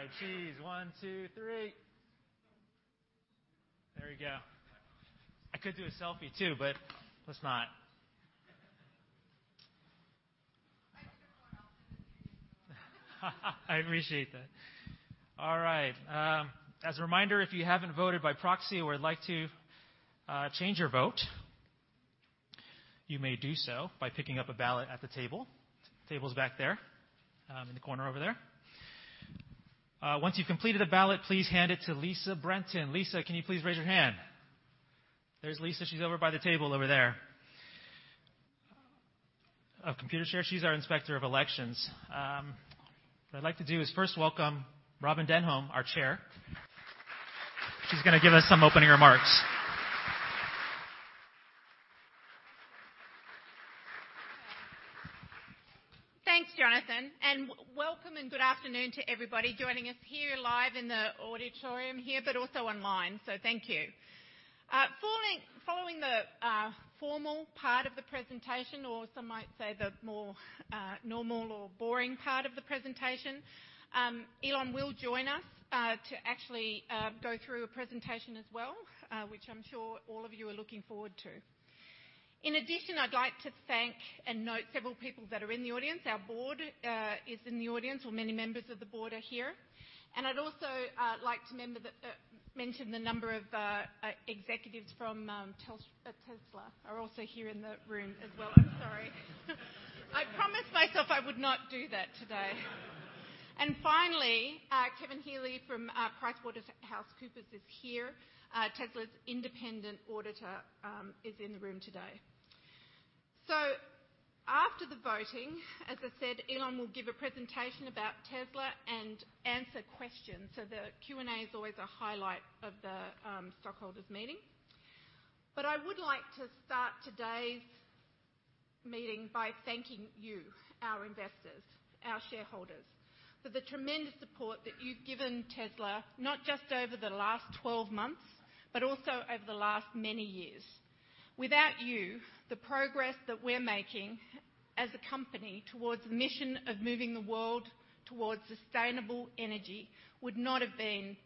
All right, cheese. One, two, three. There we go. I could do a selfie too, but let's not. I took one. I appreciate that. All right. As a reminder, if you haven't voted by proxy or would like to change your vote, you may do so by picking up a ballot at the table. Table's back there, in the corner over there. Once you've completed a ballot, please hand it to Lisa Brenton. Lisa, can you please raise your hand? There's Lisa, she's over by the table over there. Of Computershare. She's our Inspector of Elections. What I'd like to do is first welcome Robyn Denholm, our Chair. She's going to give us some opening remarks. Thanks, Jonathan. Welcome and good afternoon to everybody joining us here live in the auditorium here, but also online. Thank you. Following the formal part of the presentation, or some might say the more normal or boring part of the presentation, Elon will join us to actually go through a presentation as well, which I'm sure all of you are looking forward to. In addition, I'd like to thank and note several people that are in the audience. Our board is in the audience, or many members of the board are here. I'd also like to mention the number of executives from Tesla are also here in the room as well. I'm sorry. I promised myself I would not do that today. Finally, Kevin Healey from PricewaterhouseCoopers is here. Tesla's independent auditor is in the room today. After the voting, as I said, Elon will give a presentation about Tesla and answer questions. The Q&A is always a highlight of the stockholders meeting. I would like to start today's meeting by thanking you, our investors, our shareholders, for the tremendous support that you've given Tesla not just over the last 12 months, but also over the last many years. Without you, the progress that we're making as a company towards the mission of moving the world towards sustainable energy would not have happened.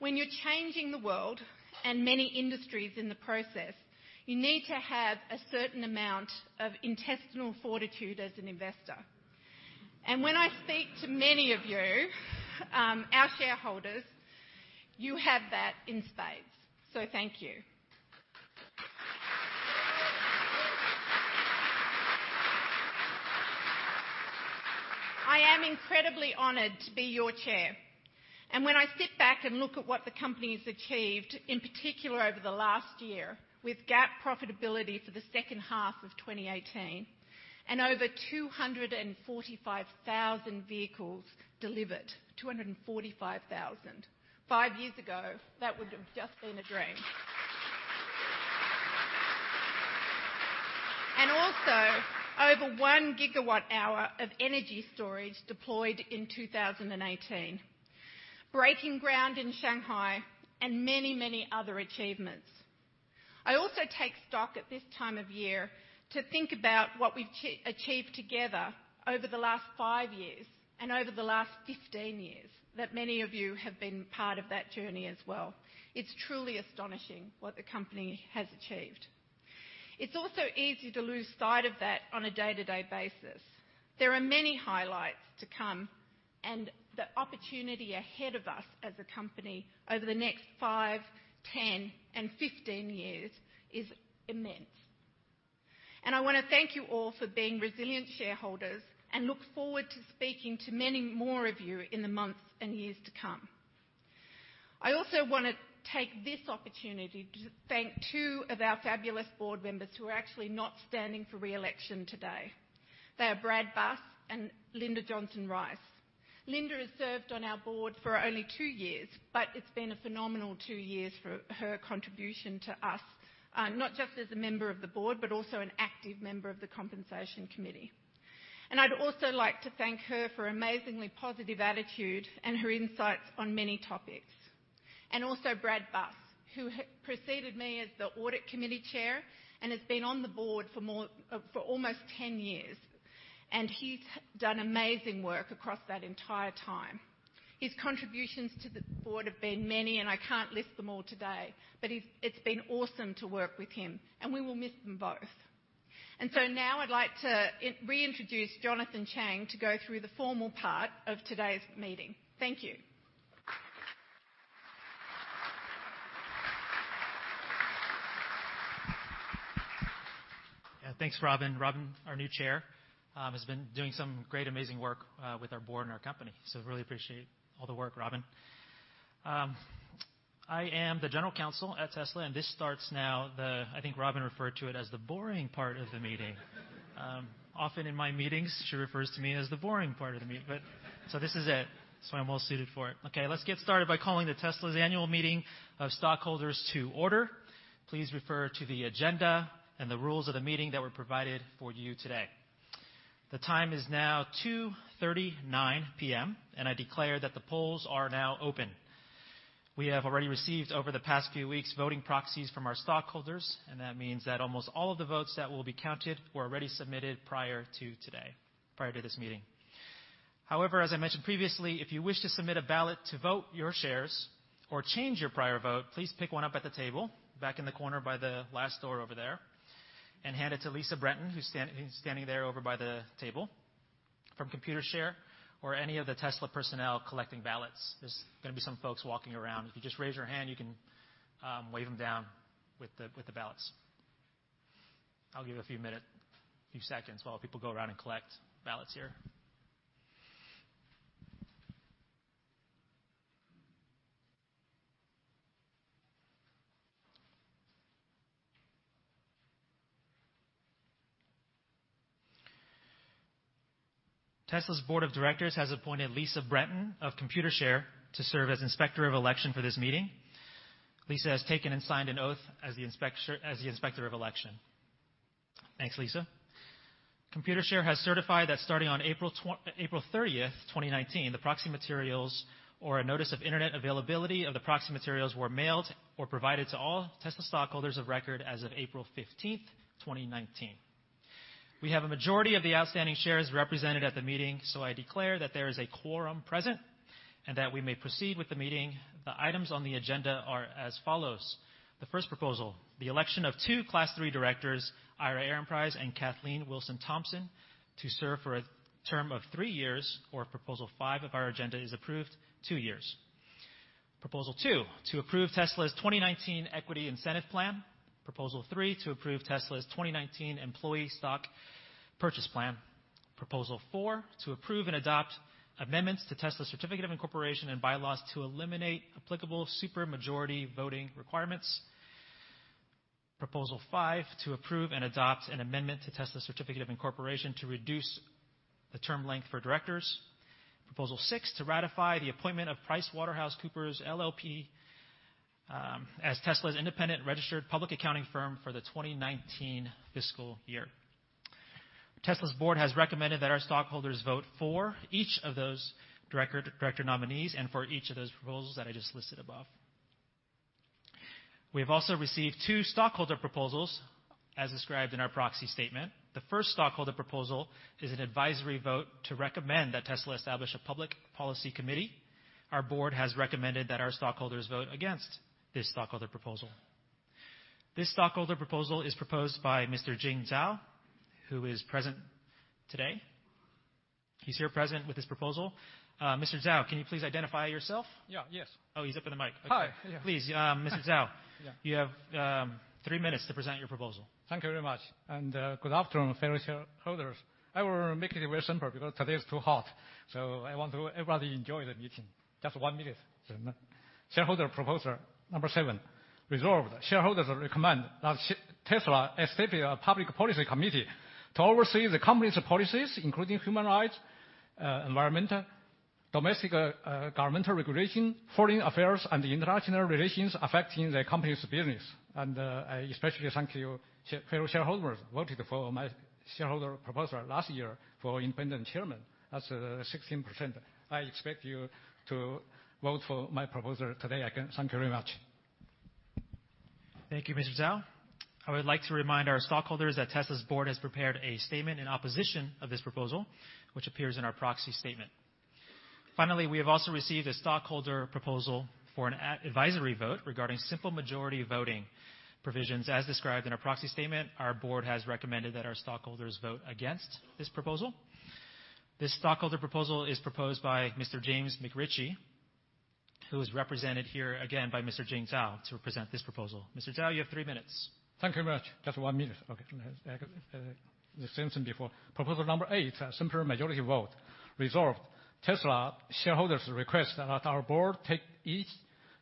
When you're changing the world and many industries in the process, you need to have a certain amount of intestinal fortitude as an investor. When I speak to many of you, our shareholders, you have that in spades. Thank you. I am incredibly honored to be your Chair. When I sit back and look at what the company's achieved, in particular over the last year, with GAAP profitability for the second half of 2018 and over 245,000 vehicles delivered, 245,000. Five years ago, that would have just been a dream. Also, over one gigawatt hour of energy storage deployed in 2018. Breaking ground in Shanghai and many, many other achievements. I also take stock at this time of year to think about what we've achieved together over the last five years and over the last 15 years, that many of you have been part of that journey as well. It's truly astonishing what the company has achieved. It's also easy to lose sight of that on a day-to-day basis. There are many highlights to come, and the opportunity ahead of us as a company over the next five, 10, and 15 years is immense. I want to thank you all for being resilient shareholders and look forward to speaking to many more of you in the months and years to come. I also want to take this opportunity to thank two of our fabulous board members who are actually not standing for re-election today. They are Brad Buss and Linda Johnson Rice. Linda has served on our board for only two years, but it's been a phenomenal two years for her contribution to us, not just as a member of the board, but also an active member of the Compensation Committee. I'd also like to thank her for amazingly positive attitude and her insights on many topics. Also Brad Buss, who preceded me as the Audit Committee Chair and has been on the board for almost 10 years, and he's done amazing work across that entire time. His contributions to the board have been many, I can't list them all today, but it's been awesome to work with him, and we will miss them both. Now I'd like to reintroduce Jonathan Chang to go through the formal part of today's meeting. Thank you. Yeah. Thanks, Robyn. Robyn, our new Chair, has been doing some great, amazing work with our board and our company. Really appreciate all the work, Robyn. I am the General Counsel at Tesla, and this starts now I think Robyn referred to it as the boring part of the meeting. Often in my meetings, she refers to me as the boring part of the meeting. This is it. I'm well suited for it. Okay, let's get started by calling the Tesla's annual meeting of stockholders to order. Please refer to the agenda and the rules of the meeting that were provided for you today. The time is now 2:39 P.M., and I declare that the polls are now open. We have already received over the past few weeks voting proxies from our stockholders, and that means that almost all of the votes that will be counted were already submitted prior to today, prior to this meeting. However, as I mentioned previously, if you wish to submit a ballot to vote your shares or change your prior vote, please pick one up at the table back in the corner by the last door over there and hand it to Lisa Brenton, who's standing there over by the table, from Computershare or any of the Tesla personnel collecting ballots. There's going to be some folks walking around. If you just raise your hand, you can wave them down with the ballots. I'll give a few seconds while people go around and collect ballots here. Tesla's board of directors has appointed Lisa Brenton of Computershare to serve as Inspector of Election for this meeting. Lisa has taken and signed an oath as the Inspector of Election. Thanks, Lisa. Computershare has certified that starting on April 30th, 2019, the proxy materials or a notice of internet availability of the proxy materials were mailed or provided to all Tesla stockholders of record as of April 15th, 2019. We have a majority of the outstanding shares represented at the meeting. I declare that there is a quorum present and that we may proceed with the meeting. The items on the agenda are as follows. The first proposal, the election of two Class 3 directors, Ira Ehrenpreis and Kathleen Wilson-Thompson, to serve for a term of three years or if Proposal five of our agenda is approved, two years. Proposal two, to approve Tesla's 2019 Equity Incentive Plan. Proposal three, to approve Tesla's 2019 Employee Stock Purchase Plan. Proposal four, to approve and adopt amendments to Tesla Certificate of Incorporation and bylaws to eliminate applicable super majority voting requirements. Proposal five, to approve and adopt an amendment to Tesla Certificate of Incorporation to reduce the term length for directors. Proposal six, to ratify the appointment of PricewaterhouseCoopers, LLP, as Tesla's independent registered public accounting firm for the 2019 fiscal year. Tesla's board has recommended that our stockholders vote for each of those director nominees and for each of those proposals that I just listed above. We have also received two stockholder proposals as described in our proxy statement. The first stockholder proposal is an advisory vote to recommend that Tesla establish a Public Policy Committee. Our board has recommended that our stockholders vote against this stockholder proposal. This stockholder proposal is proposed by Mr. Jing Zhao, who is present today. He is here present with his proposal. Mr. Zhao, can you please identify yourself? Yeah, yes. Oh, he is up in the mic. Hi. Please, Mr. Zhao. Yeah. You have three minutes to present your proposal. Thank you very much, good afternoon, fellow shareholders. I will make it very simple because today is too hot, so I want everybody to enjoy the meeting. Just one minute. Shareholder proposal number seven. Resolved, shareholders recommend that Tesla establish a public policy committee to oversee the company's policies, including human rights, environmental, domestic governmental regulation, foreign affairs, and the international relations affecting the company's business. Especially thank you, fellow shareholders who voted for my shareholder proposal last year for independent chairman. That's 16%. I expect you to vote for my proposal today again. Thank you very much. Thank you, Mr. Zhao. I would like to remind our stockholders that Tesla's board has prepared a statement in opposition of this proposal, which appears in our proxy statement. We have also received a stockholder proposal for an advisory vote regarding simple majority voting provisions. As described in our proxy statement, our board has recommended that our stockholders vote against this proposal. This stockholder proposal is proposed by Mr. James McRitchie, who is represented here again by Mr. Jing Zhao to present this proposal. Mr. Zhao, you have three minutes. Thank you very much. Just one minute. Okay. The same thing before. Proposal number eight, simple majority vote. Resolved, Tesla shareholders request that our board take each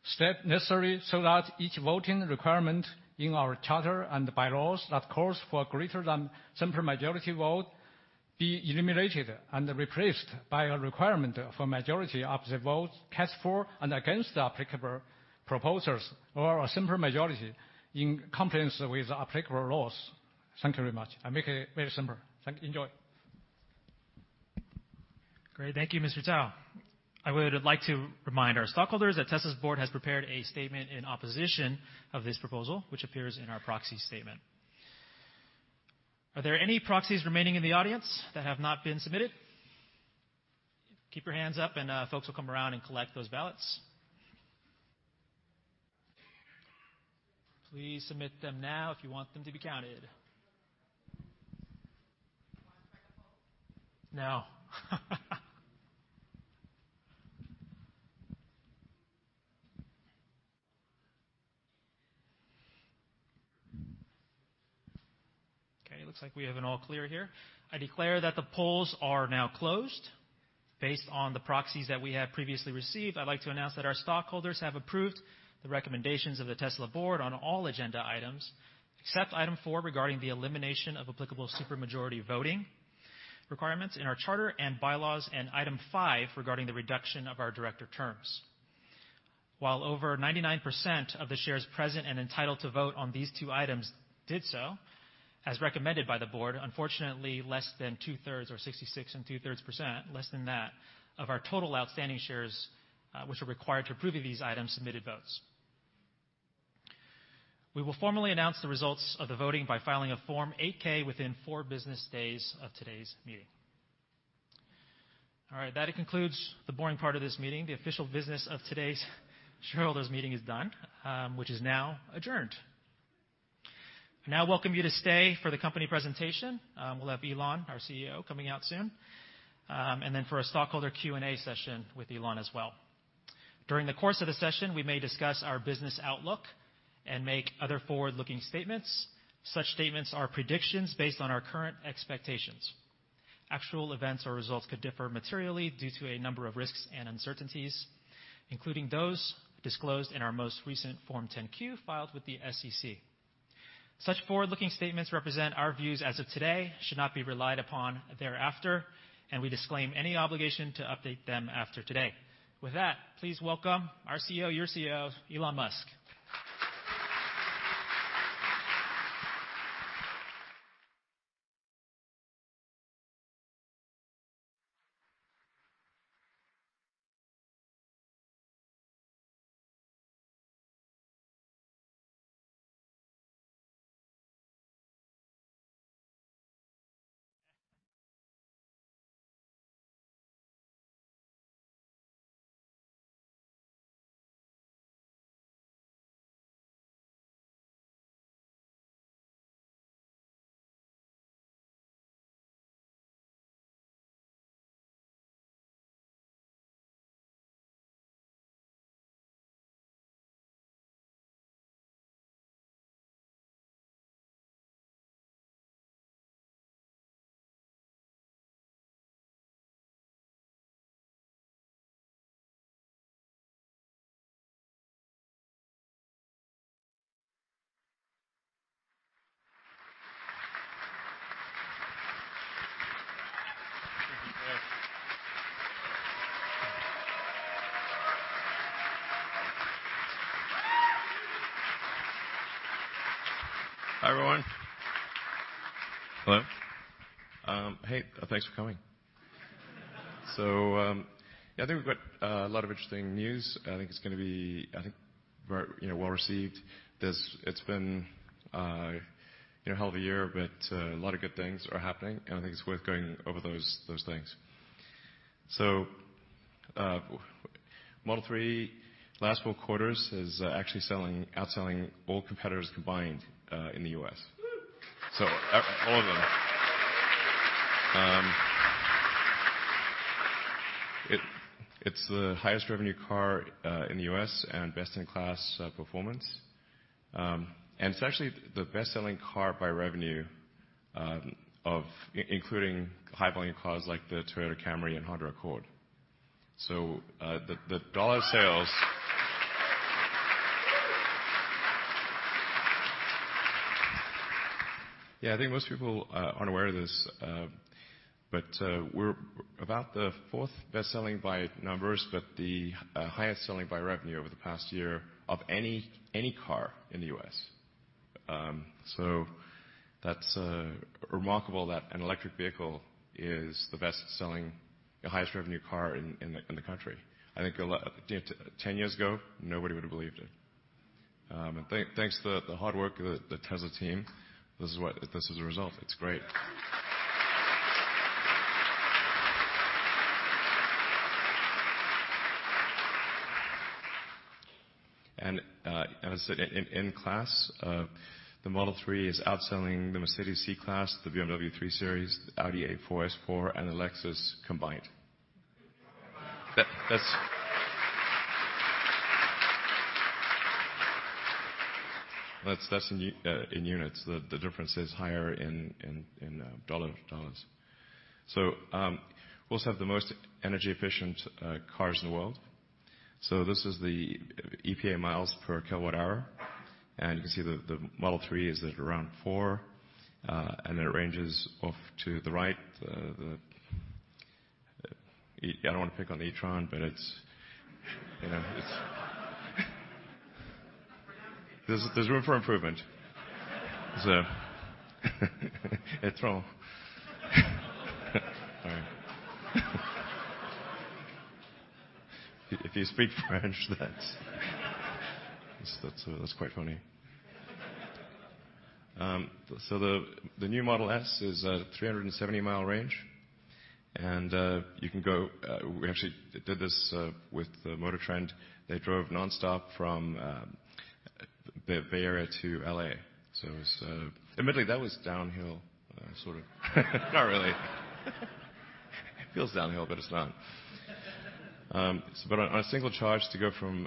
step necessary so that each voting requirement in our charter and the bylaws that calls for greater than simple majority vote be eliminated and replaced by a requirement for majority of the votes cast for and against the applicable proposals, or a simple majority in compliance with applicable laws. Thank you very much. I make it very simple. Enjoy. Great. Thank you, Mr. Zhao. I would like to remind our stockholders that Tesla's board has prepared a statement in opposition of this proposal, which appears in our proxy statement. Are there any proxies remaining in the audience that have not been submitted? Keep your hands up, and folks will come around and collect those ballots. Please submit them now if you want them to be counted. Do you want the microphone? No. Looks like we have an all clear here. I declare that the polls are now closed. Based on the proxies that we have previously received, I'd like to announce that our stockholders have approved the recommendations of the Tesla board on all agenda items, except item four regarding the elimination of applicable super majority voting requirements in our charter and bylaws, and item five regarding the reduction of our director terms. While over 99% of the shares present and entitled to vote on these two items did so, as recommended by the board, unfortunately, less than two-thirds, or 66 and two-thirds%, less than that of our total outstanding shares, which are required to approve of these items, submitted votes. We will formally announce the results of the voting by filing a Form 8-K within four business days of today's meeting. All right. That concludes the boring part of this meeting. The official business of today's shareholders' meeting is done, which is now adjourned. I now welcome you to stay for the company presentation, we'll have Elon, our CEO, coming out soon, and then for a stockholder Q&A session with Elon as well. During the course of the session, we may discuss our business outlook and make other forward-looking statements. Such statements are predictions based on our current expectations. Actual events or results could differ materially due to a number of risks and uncertainties, including those disclosed in our most recent Form 10-Q filed with the SEC. Such forward-looking statements represent our views as of today, should not be relied upon thereafter, and we disclaim any obligation to update them after today. With that, please welcome our CEO, your CEO, Elon Musk. Hey. Hi, everyone. Hello. Hey, thanks for coming. Yeah, I think we've got a lot of interesting news. I think it's going to be well-received. It's been a hell of a year, but a lot of good things are happening, I think it's worth going over those things. Model 3, last four quarters, is actually outselling all competitors combined, in the U.S. Whoo. All of them. It's the highest revenue car in the U.S., best-in-class performance. It's actually the best-selling car by revenue, including high-volume cars like the Toyota Camry and Honda Accord. Yeah, I think most people aren't aware of this, but we're about the fourth best-selling by numbers, but the highest-selling by revenue over the past year of any car in the U.S. That's remarkable that an electric vehicle is the best-selling, highest-revenue car in the country. I think 10 years ago, nobody would've believed it. Thanks to the hard work of the Tesla team, this is the result. It's great. As I said, in class, the Model 3 is outselling the Mercedes C-Class, the BMW 3 Series, the Audi A4, S4, and the Lexus combined. Wow. That's in units. The difference is higher in dollars. We also have the most energy-efficient cars in the world. This is the EPA miles per kilowatt-hour, and you can see the Model 3 is at around four, then it ranges off to the right. I don't want to pick on the e-tron, but it's There's room for improvement. E-tron. Sorry. If you speak French, that's quite funny. The new Model S is a 370-mile range. We actually did this with MotorTrend. They drove non-stop from Bay Area to L.A. Admittedly, that was downhill, sort of. Not really. It feels downhill, but it's not. On a single charge to go from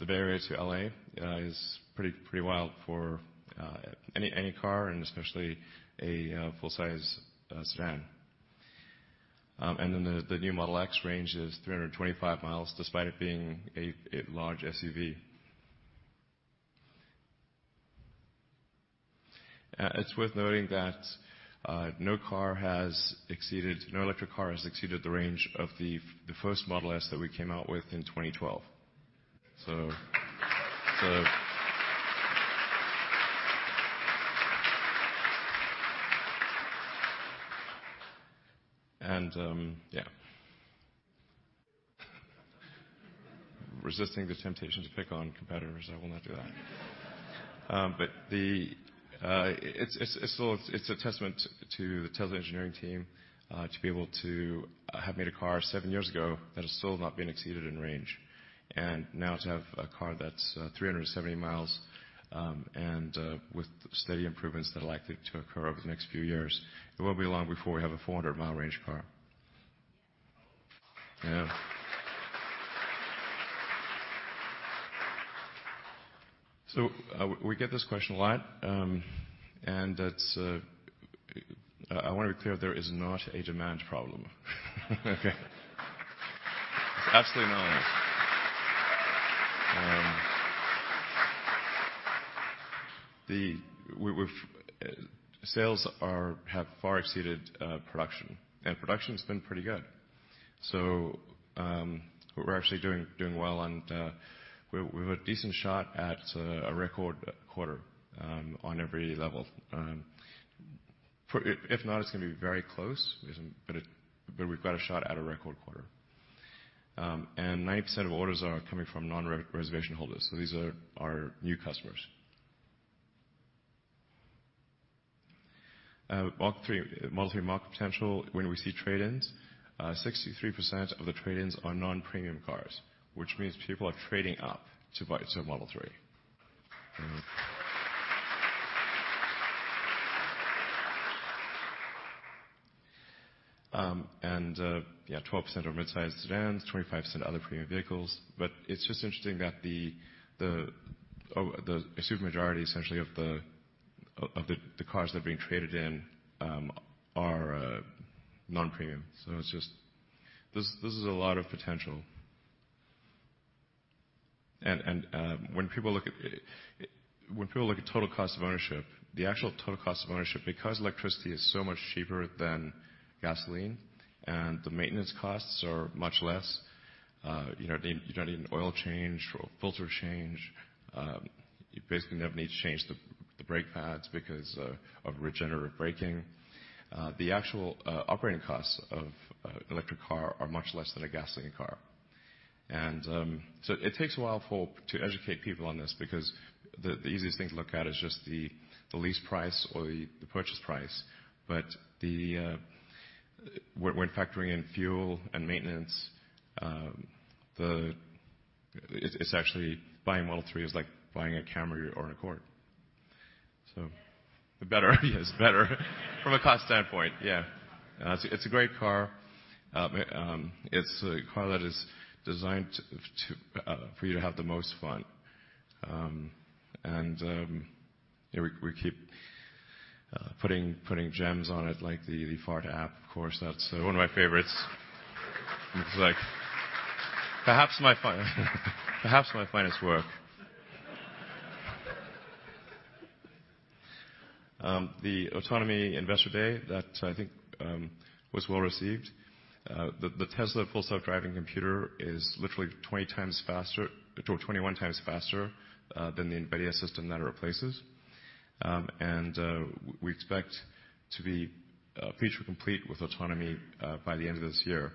the Bay Area to L.A. is pretty wild for any car and especially a full-size sedan. The new Model X range is 325 miles, despite it being a large SUV. It's worth noting that no electric car has exceeded the range of the first Model S that we came out with in 2012. Yeah. Resisting the temptation to pick on competitors, I will not do that. It's a testament to the Tesla engineering team to be able to have made a car seven years ago that has still not been exceeded in range. Now to have a car that's 370 miles, with steady improvements that are likely to occur over the next few years, it won't be long before we have a 400-mile range car. Yeah. Yeah. We get this question a lot, and I want to be clear, there is not a demand problem. Okay. Absolutely not. Sales have far exceeded production, and production's been pretty good. We're actually doing well and we have a decent shot at a record quarter on every level. If not, it's going to be very close, but we've got a shot at a record quarter. 90% of orders are coming from non-reservation holders, so these are our new customers. Model 3 market potential when we see trade-ins, 63% of the trade-ins are non-premium cars, which means people are trading up to a Model 3. Yeah, 12% are midsize sedans, 25% other premium vehicles. It's just interesting that a super majority, essentially, of the cars that are being traded in are non-premium. This is a lot of potential. When people look at total cost of ownership, the actual total cost of ownership, because electricity is so much cheaper than gasoline and the maintenance costs are much less, you don't need an oil change or a filter change. You basically never need to change the brake pads because of regenerative braking. The actual operating costs of an electric car are much less than a gasoline car. It takes a while to educate people on this because the easiest thing to look at is just the lease price or the purchase price. When factoring in fuel and maintenance, buying Model 3 is like buying a Camry or an Accord. It's better from a cost standpoint, yeah. It's a great car. It's a car that is designed for you to have the most fun. We keep putting gems on it, like the Fart app, of course, that's one of my favorites. Perhaps my finest work. The Autonomy Investor Day, that I think was well-received. The Tesla Full Self-Driving computer is literally 21 times faster than the NVIDIA system that it replaces. We expect to be feature complete with autonomy by the end of this year.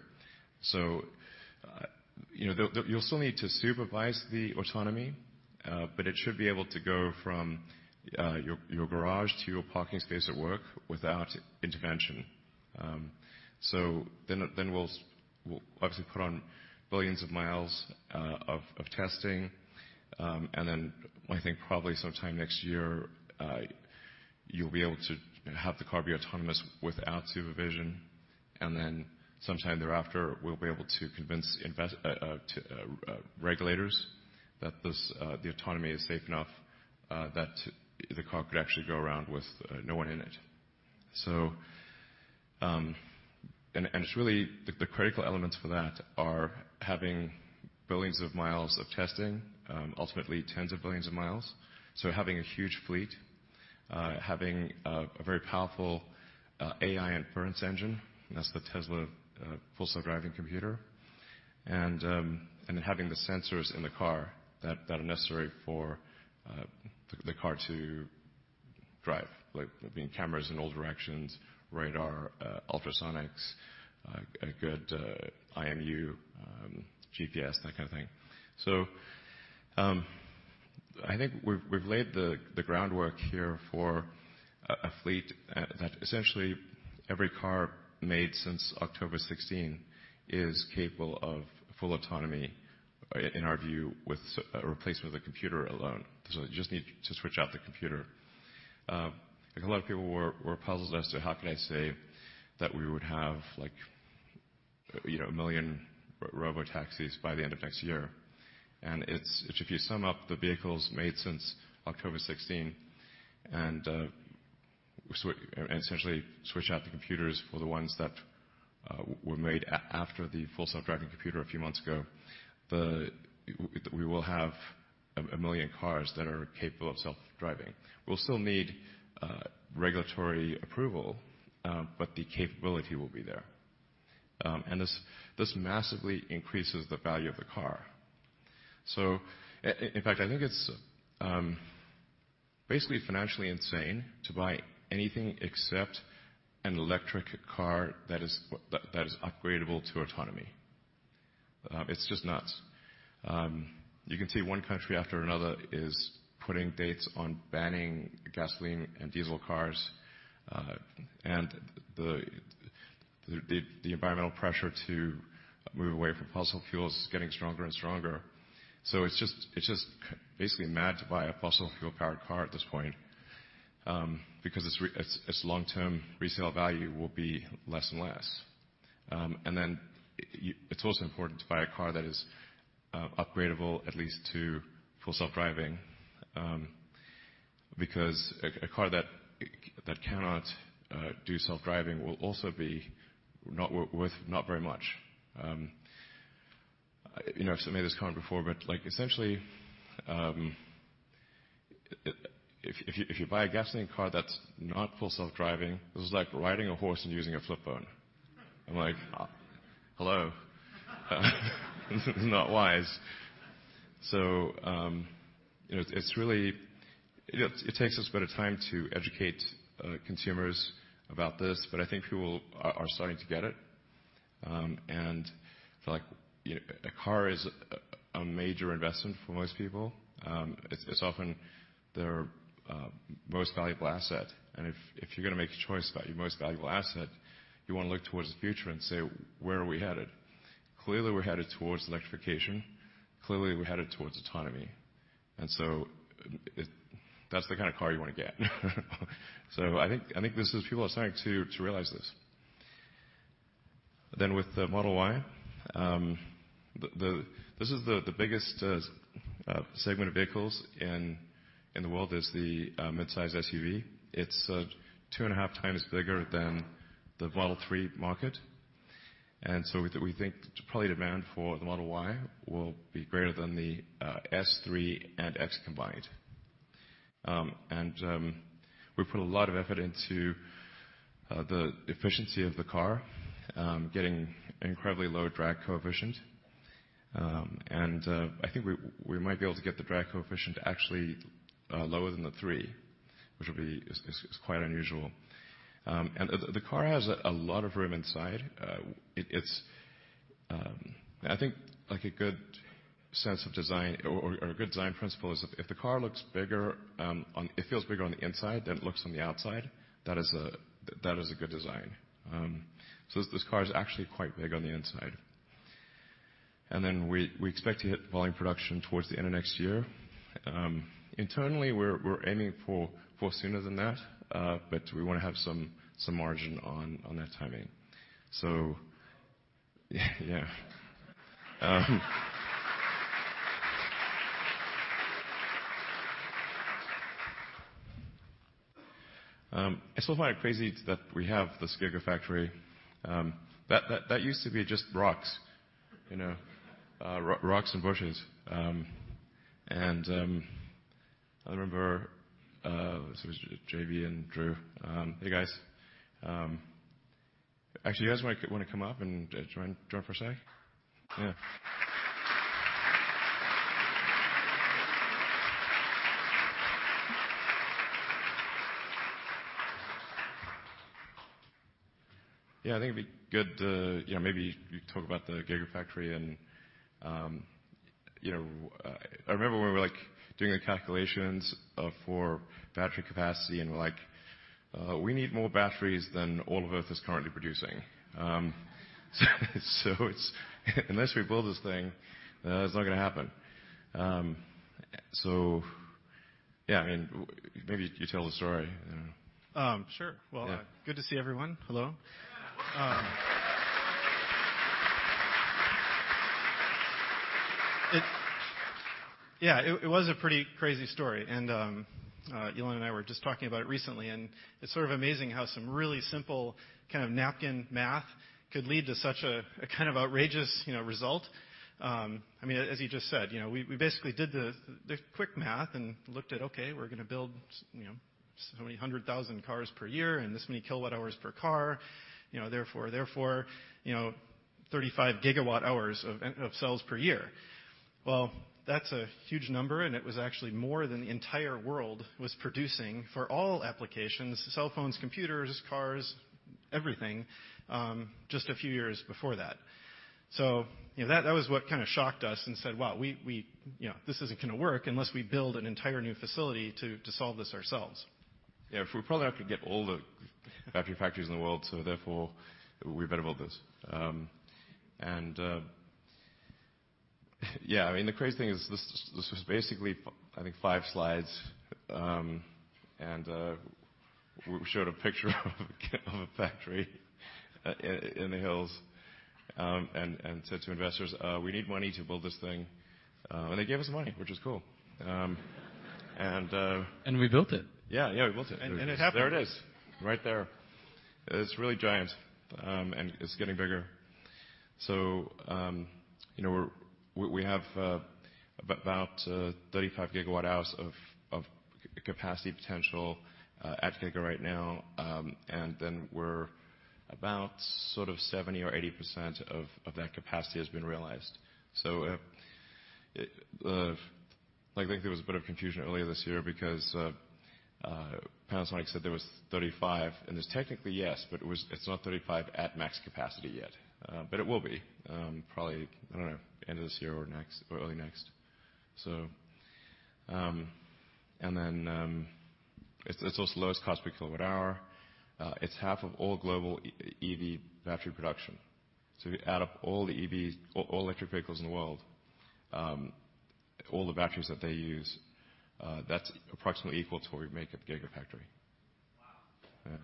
You'll still need to supervise the autonomy, but it should be able to go from your garage to your parking space at work without intervention. We'll obviously put on billions of miles of testing, and then I think probably sometime next year, you'll be able to have the car be autonomous without supervision. Sometime thereafter, we'll be able to convince regulators that the autonomy is safe enough that the car could actually go around with no one in it. The critical elements for that are having billions of miles of testing, ultimately tens of billions of miles. Having a huge fleet, having a very powerful AI inference engine, and that's the Tesla Full Self-Driving computer, and then having the sensors in the car that are necessary for the car to drive. Like having cameras in all directions, radar, ultrasonics, a good IMU, GPS, that kind of thing. I think we've laid the groundwork here for a fleet that essentially every car made since October 2016 is capable of full autonomy, in our view, with a replacement of the computer alone. You just need to switch out the computer. A lot of people were puzzled as to how can I say that we would have a million Robotaxis by the end of next year. If you sum up the vehicles made since October 2016 and essentially switch out the computers for the ones that were made after the Full Self-Driving computer a few months ago, we will have a million cars that are capable of self-driving. We'll still need regulatory approval, but the capability will be there. This massively increases the value of the car. In fact, I think it's basically financially insane to buy anything except an electric car that is upgradeable to autonomy. It's just nuts. You can see one country after another is putting dates on banning gasoline and diesel cars, and the environmental pressure to move away from fossil fuels is getting stronger and stronger. It's just basically mad to buy a fossil fuel-powered car at this point, because its long-term resale value will be less and less. It's also important to buy a car that is upgradeable, at least to Full Self-Driving, because a car that cannot do self-driving will also be not worth very much. I've made this comment before. Essentially, if you buy a gasoline car that's not Full Self-Driving, this is like riding a horse and using a flip phone. I'm like, hello? It's not wise. It takes us a bit of time to educate consumers about this, but I think people are starting to get it. A car is a major investment for most people. It's often their most valuable asset. If you're going to make a choice about your most valuable asset, you want to look towards the future and say, where are we headed? Clearly, we're headed towards electrification. Clearly, we're headed towards autonomy. That's the kind of car you want to get. I think people are starting to realize this. With the Model Y, the biggest segment of vehicles in the world is the midsize SUV. It's two and a half times bigger than the Model 3 market. We think probably demand for the Model Y will be greater than the Model S, Model 3, and Model X combined. We've put a lot of effort into the efficiency of the car, getting incredibly low drag coefficient. I think we might be able to get the drag coefficient actually lower than the Model 3, which will be quite unusual. The car has a lot of room inside. I think a good sense of design or a good design principle is if the car looks bigger, it feels bigger on the inside than it looks on the outside, that is a good design. This car is actually quite big on the inside. We expect to hit volume production towards the end of next year. Internally, we're aiming for sooner than that, but we want to have some margin on that timing. Yeah. I still find it crazy that we have this Gigafactory. That used to be just rocks. Rocks and bushes. I remember it was JB and Drew. Hey, guys. Actually, do you guys want to come up and join for a sec? Yeah, I think it'd be good, maybe you talk about the Gigafactory and I remember when we were doing the calculations for battery capacity and we're like, "We need more batteries than all of Earth is currently producing." Unless we build this thing, it's not going to happen. Yeah, maybe you tell the story. Sure. Yeah. Good to see everyone. Hello. Yeah. It was a pretty crazy story. Elon and I were just talking about it recently. It's sort of amazing how some really simple kind of napkin math could lead to such a kind of outrageous result. As you just said, we basically did the quick math and looked at, we're going to build so many 100,000 cars per year and this many kilowatt hours per car, therefore 35 gigawatt hours of cells per year. That's a huge number. It was actually more than the entire world was producing for all applications, cell phones, computers, cars, everything, just a few years before that. That was what kind of shocked us and said, wow, this isn't going to work unless we build an entire new facility to solve this ourselves. We'll probably have to get all the battery factories in the world. We better build this. The crazy thing is this was basically I think five slides, and we showed a picture of a factory in the hills, and said to investors, "We need money to build this thing," and they gave us money, which was cool. We built it. Yeah, we built it. It happened. There it is right there. It's really giant. It's getting bigger. We have about 35 gigawatt hours of capacity potential at Gigafactory right now. Then we're about sort of 70% or 80% of that capacity has been realized. I think there was a bit of confusion earlier this year because Panasonic said there was 35, it's technically yes, but it's not 35 at max capacity yet. It will be, probably, I don't know, end of this year or early next. Then, it's also the lowest cost per kilowatt hour. It's half of all global EV battery production. If you add up all the EVs, all electric vehicles in the world, all the batteries that they use, that's approximately equal to what we make at the Gigafactory. Wow. Yeah.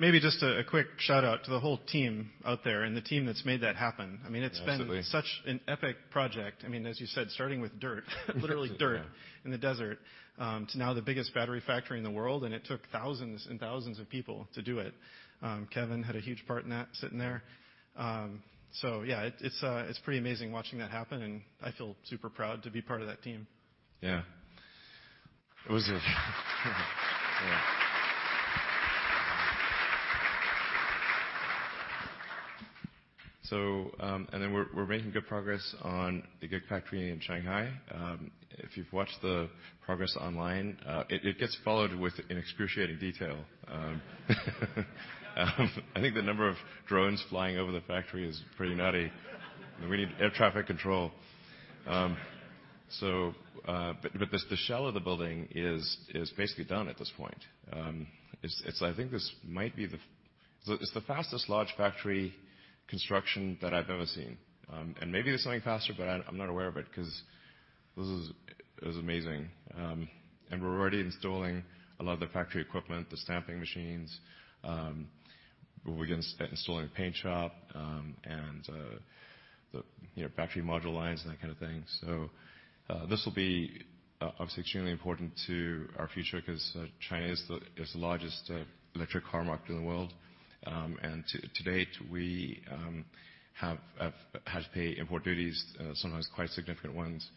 maybe just a quick shout-out to the whole team out there and the team that's made that happen. Absolutely. It's been such an epic project. As you said, starting with dirt, literally dirt. Yeah in the desert, to now the biggest battery factory in the world, and it took thousands and thousands of people to do it. Kevin had a huge part in that, sitting there. Yeah, it's pretty amazing watching that happen, and I feel super proud to be part of that team. Yeah. Yeah. We're making good progress on the Gigafactory in Shanghai. If you've watched the progress online, it gets followed with an excruciating detail. I think the number of drones flying over the factory is pretty nutty. We need air traffic control. The shell of the building is basically done at this point. It's the fastest large factory construction that I've ever seen. Maybe there's something faster, but I'm not aware of it, because this is amazing. We're already installing a lot of the factory equipment, the stamping machines. We'll begin installing the paint shop, and the factory module lines and that kind of thing. This will be obviously extremely important to our future because China is the largest electric car market in the world. To date, we have had to pay import duties, sometimes quite significant ones,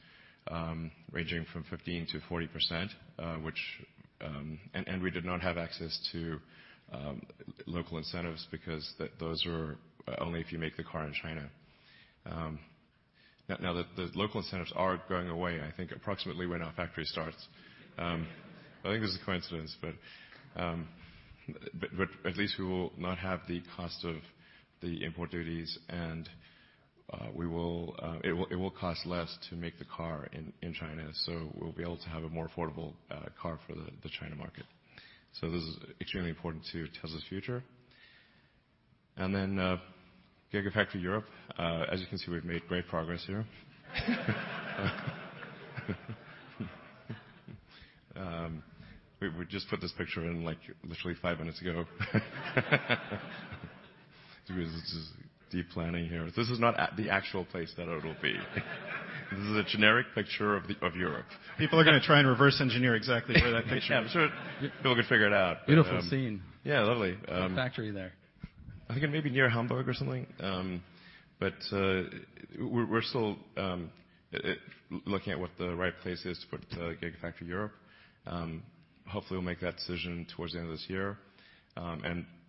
ranging from 15%-40%. We did not have access to local incentives because those are only if you make the car in China. The local incentives are going away, I think approximately when our factory starts. I think this is a coincidence, but at least we will not have the cost of the import duties, and it will cost less to make the car in China, so we'll be able to have a more affordable car for the China market. This is extremely important to Tesla's future. Gigafactory Europe. As you can see, we've made great progress here. We just put this picture in literally five minutes ago. This is deep planning here. This is not the actual place that it'll be. This is a generic picture of Europe. People are going to try and reverse engineer exactly where that picture- I'm sure people can figure it out. Beautiful scene. Yeah, lovely. Great factory there. I think it may be near Hamburg or something. We're still looking at what the right place is to put Gigafactory Europe. Hopefully we'll make that decision towards the end of this year.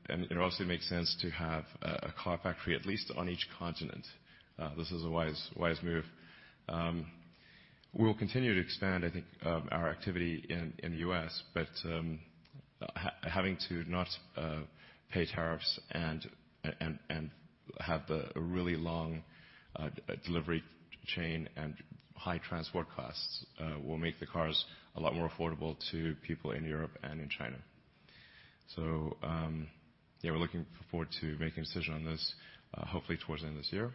It also makes sense to have a car factory at least on each continent. This is a wise move. We'll continue to expand, I think, our activity in the U.S., but having to not pay tariffs and have a really long delivery chain and high transport costs will make the cars a lot more affordable to people in Europe and in China. Yeah, we're looking forward to making a decision on this, hopefully towards the end of this year.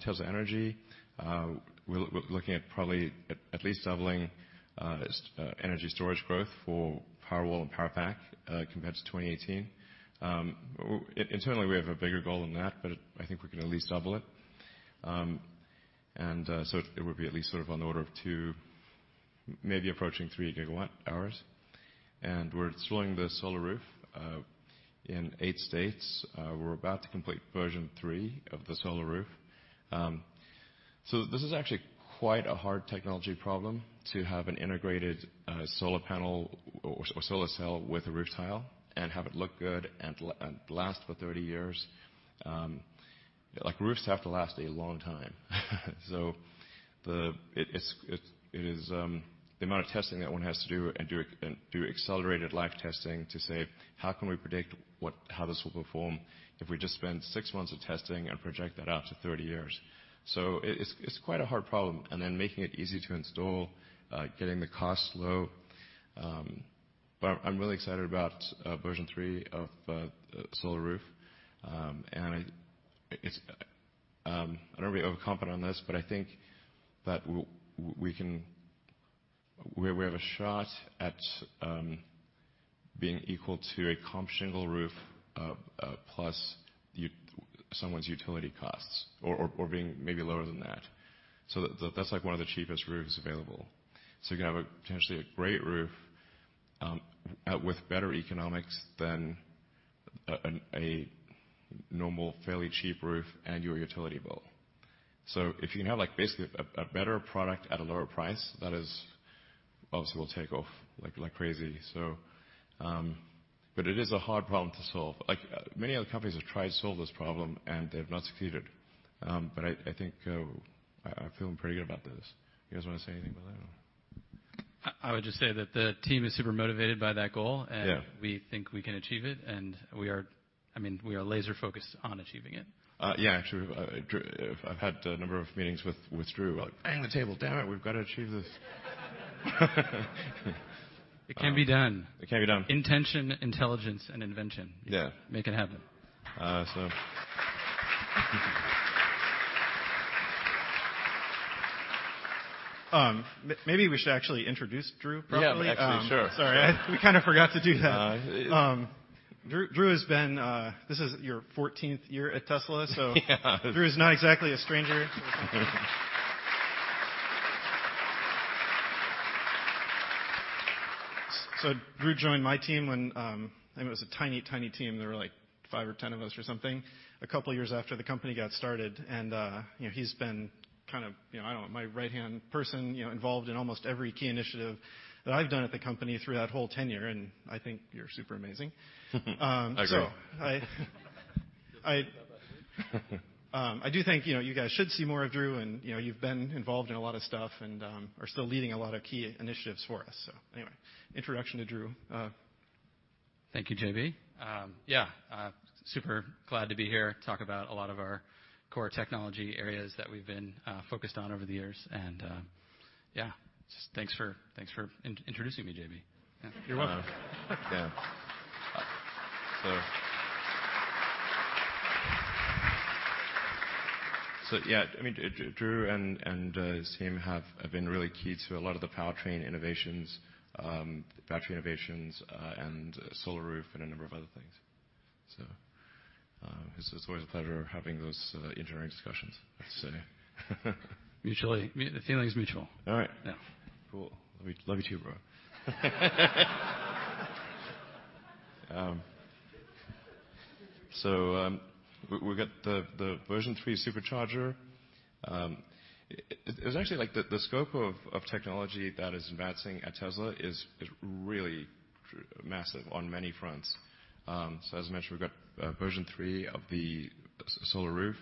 Tesla Energy, we're looking at probably at least doubling energy storage growth for Powerwall and Powerpack compared to 2018. Internally, we have a bigger goal than that, but I think we can at least double it. It would be at least on the order of two, maybe approaching three gigawatt hours. We're installing the Solar Roof in eight states. We're about to complete version 3 of the Solar Roof. This is actually quite a hard technology problem to have an integrated solar panel or solar cell with a roof tile and have it look good and last for 30 years. Roofs have to last a long time. The amount of testing that one has to do and do accelerated life testing to say, "How can we predict how this will perform if we just spend six months of testing and project that out to 30 years?" It's quite a hard problem, and then making it easy to install, getting the costs low. I'm really excited about version 3 of Solar Roof. I don't want to be overconfident on this. I think that we have a shot at being equal to a comp shingle roof plus someone's utility costs or being maybe lower than that. That's one of the cheapest roofs available. You can have potentially a great roof with better economics than a normal, fairly cheap roof and your utility bill. If you can have basically a better product at a lower price, that obviously will take off like crazy. It is a hard problem to solve. Many other companies have tried to solve this problem and they've not succeeded. I'm feeling pretty good about this. You guys want to say anything about that, or? I would just say that the team is super motivated by that goal- Yeah We think we can achieve it. We are laser focused on achieving it. Yeah, true. I've had a number of meetings with Drew. I bang the table, "Damn it, we've got to achieve this. It can be done. It can be done. Intention, intelligence, and invention. Yeah Make it happen. Awesome. Maybe we should actually introduce Drew properly. Yeah, actually. Sure. Sorry, we kind of forgot to do that. Drew, this is your 14th year at Tesla. Yeah. Drew's not exactly a stranger. Drew joined my team when it was a tiny team. There were five or 10 of us or something, a couple of years after the company got started, and he's been kind of my right-hand person, involved in almost every key initiative that I've done at the company through that whole tenure, and I think you're super amazing. I agree. I- You think that about me? I do think you guys should see more of Drew and you've been involved in a lot of stuff and are still leading a lot of key initiatives for us. Anyway, introduction to Drew. Thank you, JB. Super glad to be here to talk about a lot of our core technology areas that we've been focused on over the years. Just thanks for introducing me, JB. Yeah. You're welcome. Yeah, Drew and his team have been really key to a lot of the powertrain innovations, battery innovations, and Solar Roof and a number of other things. It's always a pleasure having those engineering discussions, I have to say. Mutually. The feeling is mutual. All right. Yeah. Cool. Love you too, bro. We've got the version 3 Supercharger. The scope of technology that is advancing at Tesla is really massive on many fronts. As I mentioned, we've got version 3 of the Solar Roof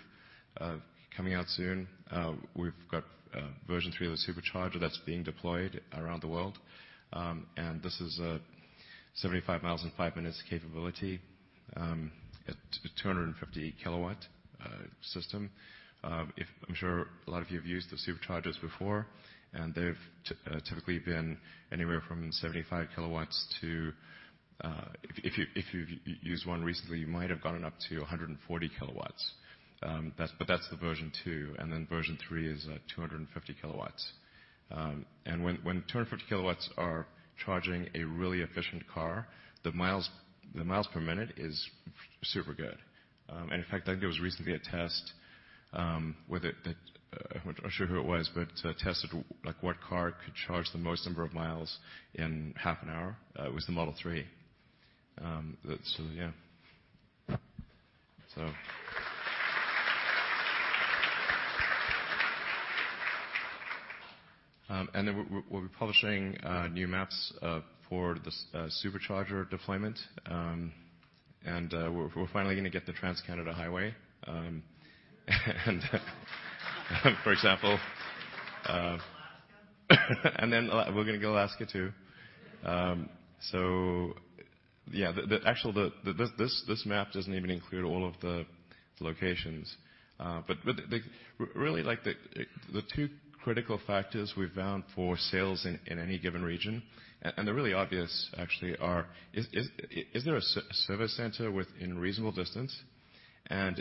coming out soon. We've got version 3 of the Supercharger that's being deployed around the world. This is a 75 miles in five minutes capability, a 250-kilowatt system. I'm sure a lot of you have used the Superchargers before, and they've typically been anywhere from 75 kilowatts to, if you've used one recently, you might have gotten up to 140 kilowatts. That's the version 2, then version 3 is at 250 kilowatts. When 250 kilowatts are charging a really efficient car, the miles per minute is super good. In fact, I think there was recently a test, I'm not sure who it was, tested what car could charge the most number of miles in half an hour. It was the Model 3. Yeah. We'll be publishing new maps for the Supercharger deployment. We're finally going to get the Trans-Canada Highway for example. Alaska. We're going to go to Alaska, too. Yeah, actually, this map doesn't even include all of the locations. Really, the two critical factors we've found for sales in any given region, and they're really obvious, actually, are is there a service center within reasonable distance? Are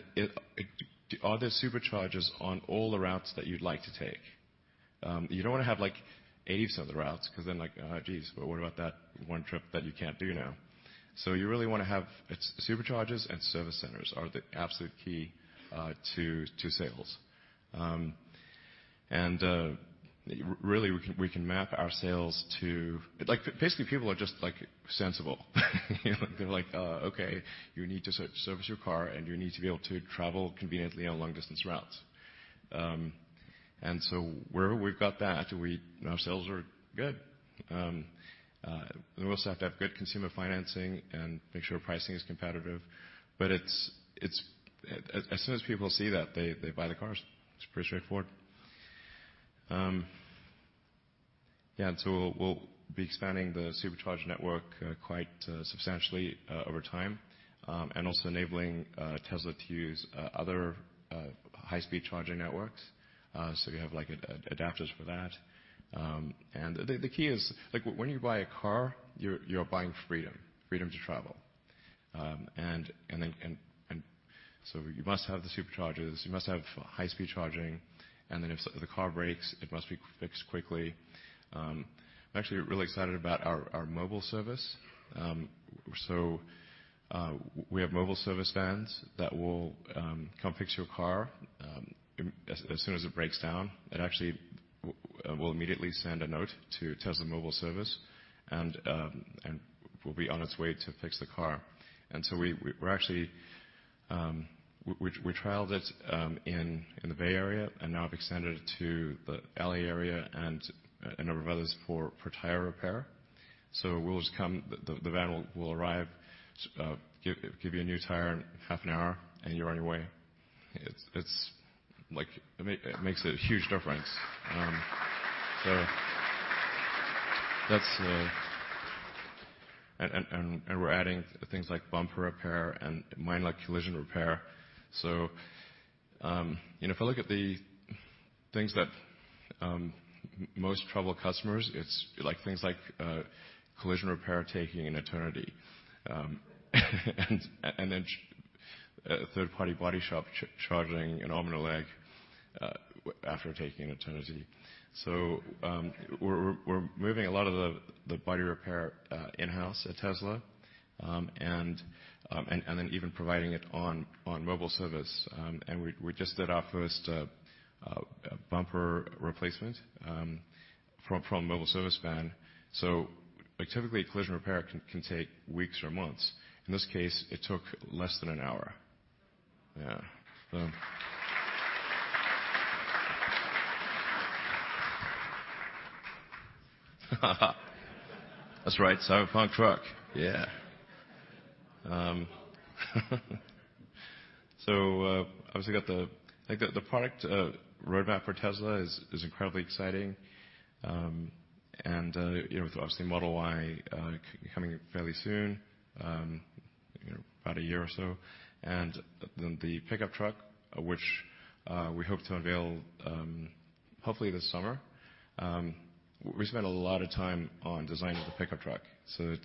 there Superchargers on all the routes that you'd like to take? You don't want to have 80% of the routes because then like, oh, geez, what about that one trip that you can't do now? You really want to have the Superchargers and service centers are the absolute key to sales. Really, we can map our sales to Basically, people are just sensible. They're like, "Oh, okay, you need to service your car, and you need to be able to travel conveniently on long-distance routes." Where we've got that, our sales are good. We also have to have good consumer financing and make sure pricing is competitive, but as soon as people see that, they buy the cars. It's pretty straightforward. We'll be expanding the Supercharger network quite substantially over time. Also enabling Tesla to use other high-speed charging networks, so we have adapters for that. The key is when you buy a car, you're buying freedom to travel. You must have the Superchargers, you must have high-speed charging, and then if the car breaks, it must be fixed quickly. I'm actually really excited about our mobile service. We have mobile service vans that will come fix your car as soon as it breaks down. We'll immediately send a note to Tesla mobile service, and it will be on its way to fix the car. We trialed it in the Bay Area, and now we've extended it to the L.A. area and a number of others for tire repair. The van will arrive, give you a new tire in half an hour, and you're on your way. It makes a huge difference. We're adding things like bumper repair and minor collision repair. If I look at the things that most trouble customers, it's things like collision repair taking an eternity. A third-party body shop charging an arm and a leg after taking an eternity. We're moving a lot of the body repair in-house at Tesla, and then even providing it on mobile service. We just did our first bumper replacement from a mobile service van. Typically, collision repair can take weeks or months. In this case, it took less than an hour. That's right. Cybertruck. The product roadmap for Tesla is incredibly exciting, and with obviously Model Y coming fairly soon, about a year or so. The pickup truck, which we hope to unveil, hopefully this summer. We spent a lot of time on designing the pickup truck, so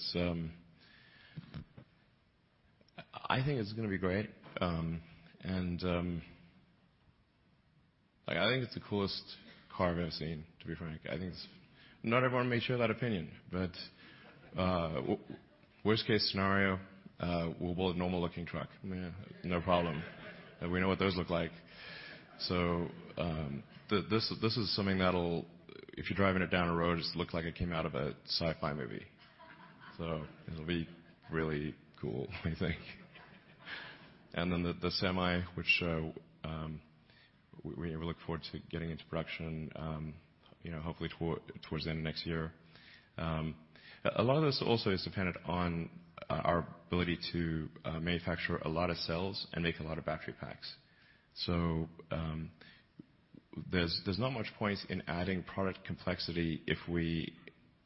I think it's going to be great. I think it's the coolest car I've ever seen, to be frank. Not everyone may share that opinion, but worst-case scenario, we build a normal-looking truck. No problem. We know what those look like. This is something that'll, if you're driving it down a road, just look like it came out of a sci-fi movie. It'll be really cool, we think. The Semi, which we look forward to getting into production, hopefully towards the end of next year. A lot of this also is dependent on our ability to manufacture a lot of cells and make a lot of battery packs. There's not much point in adding product complexity if we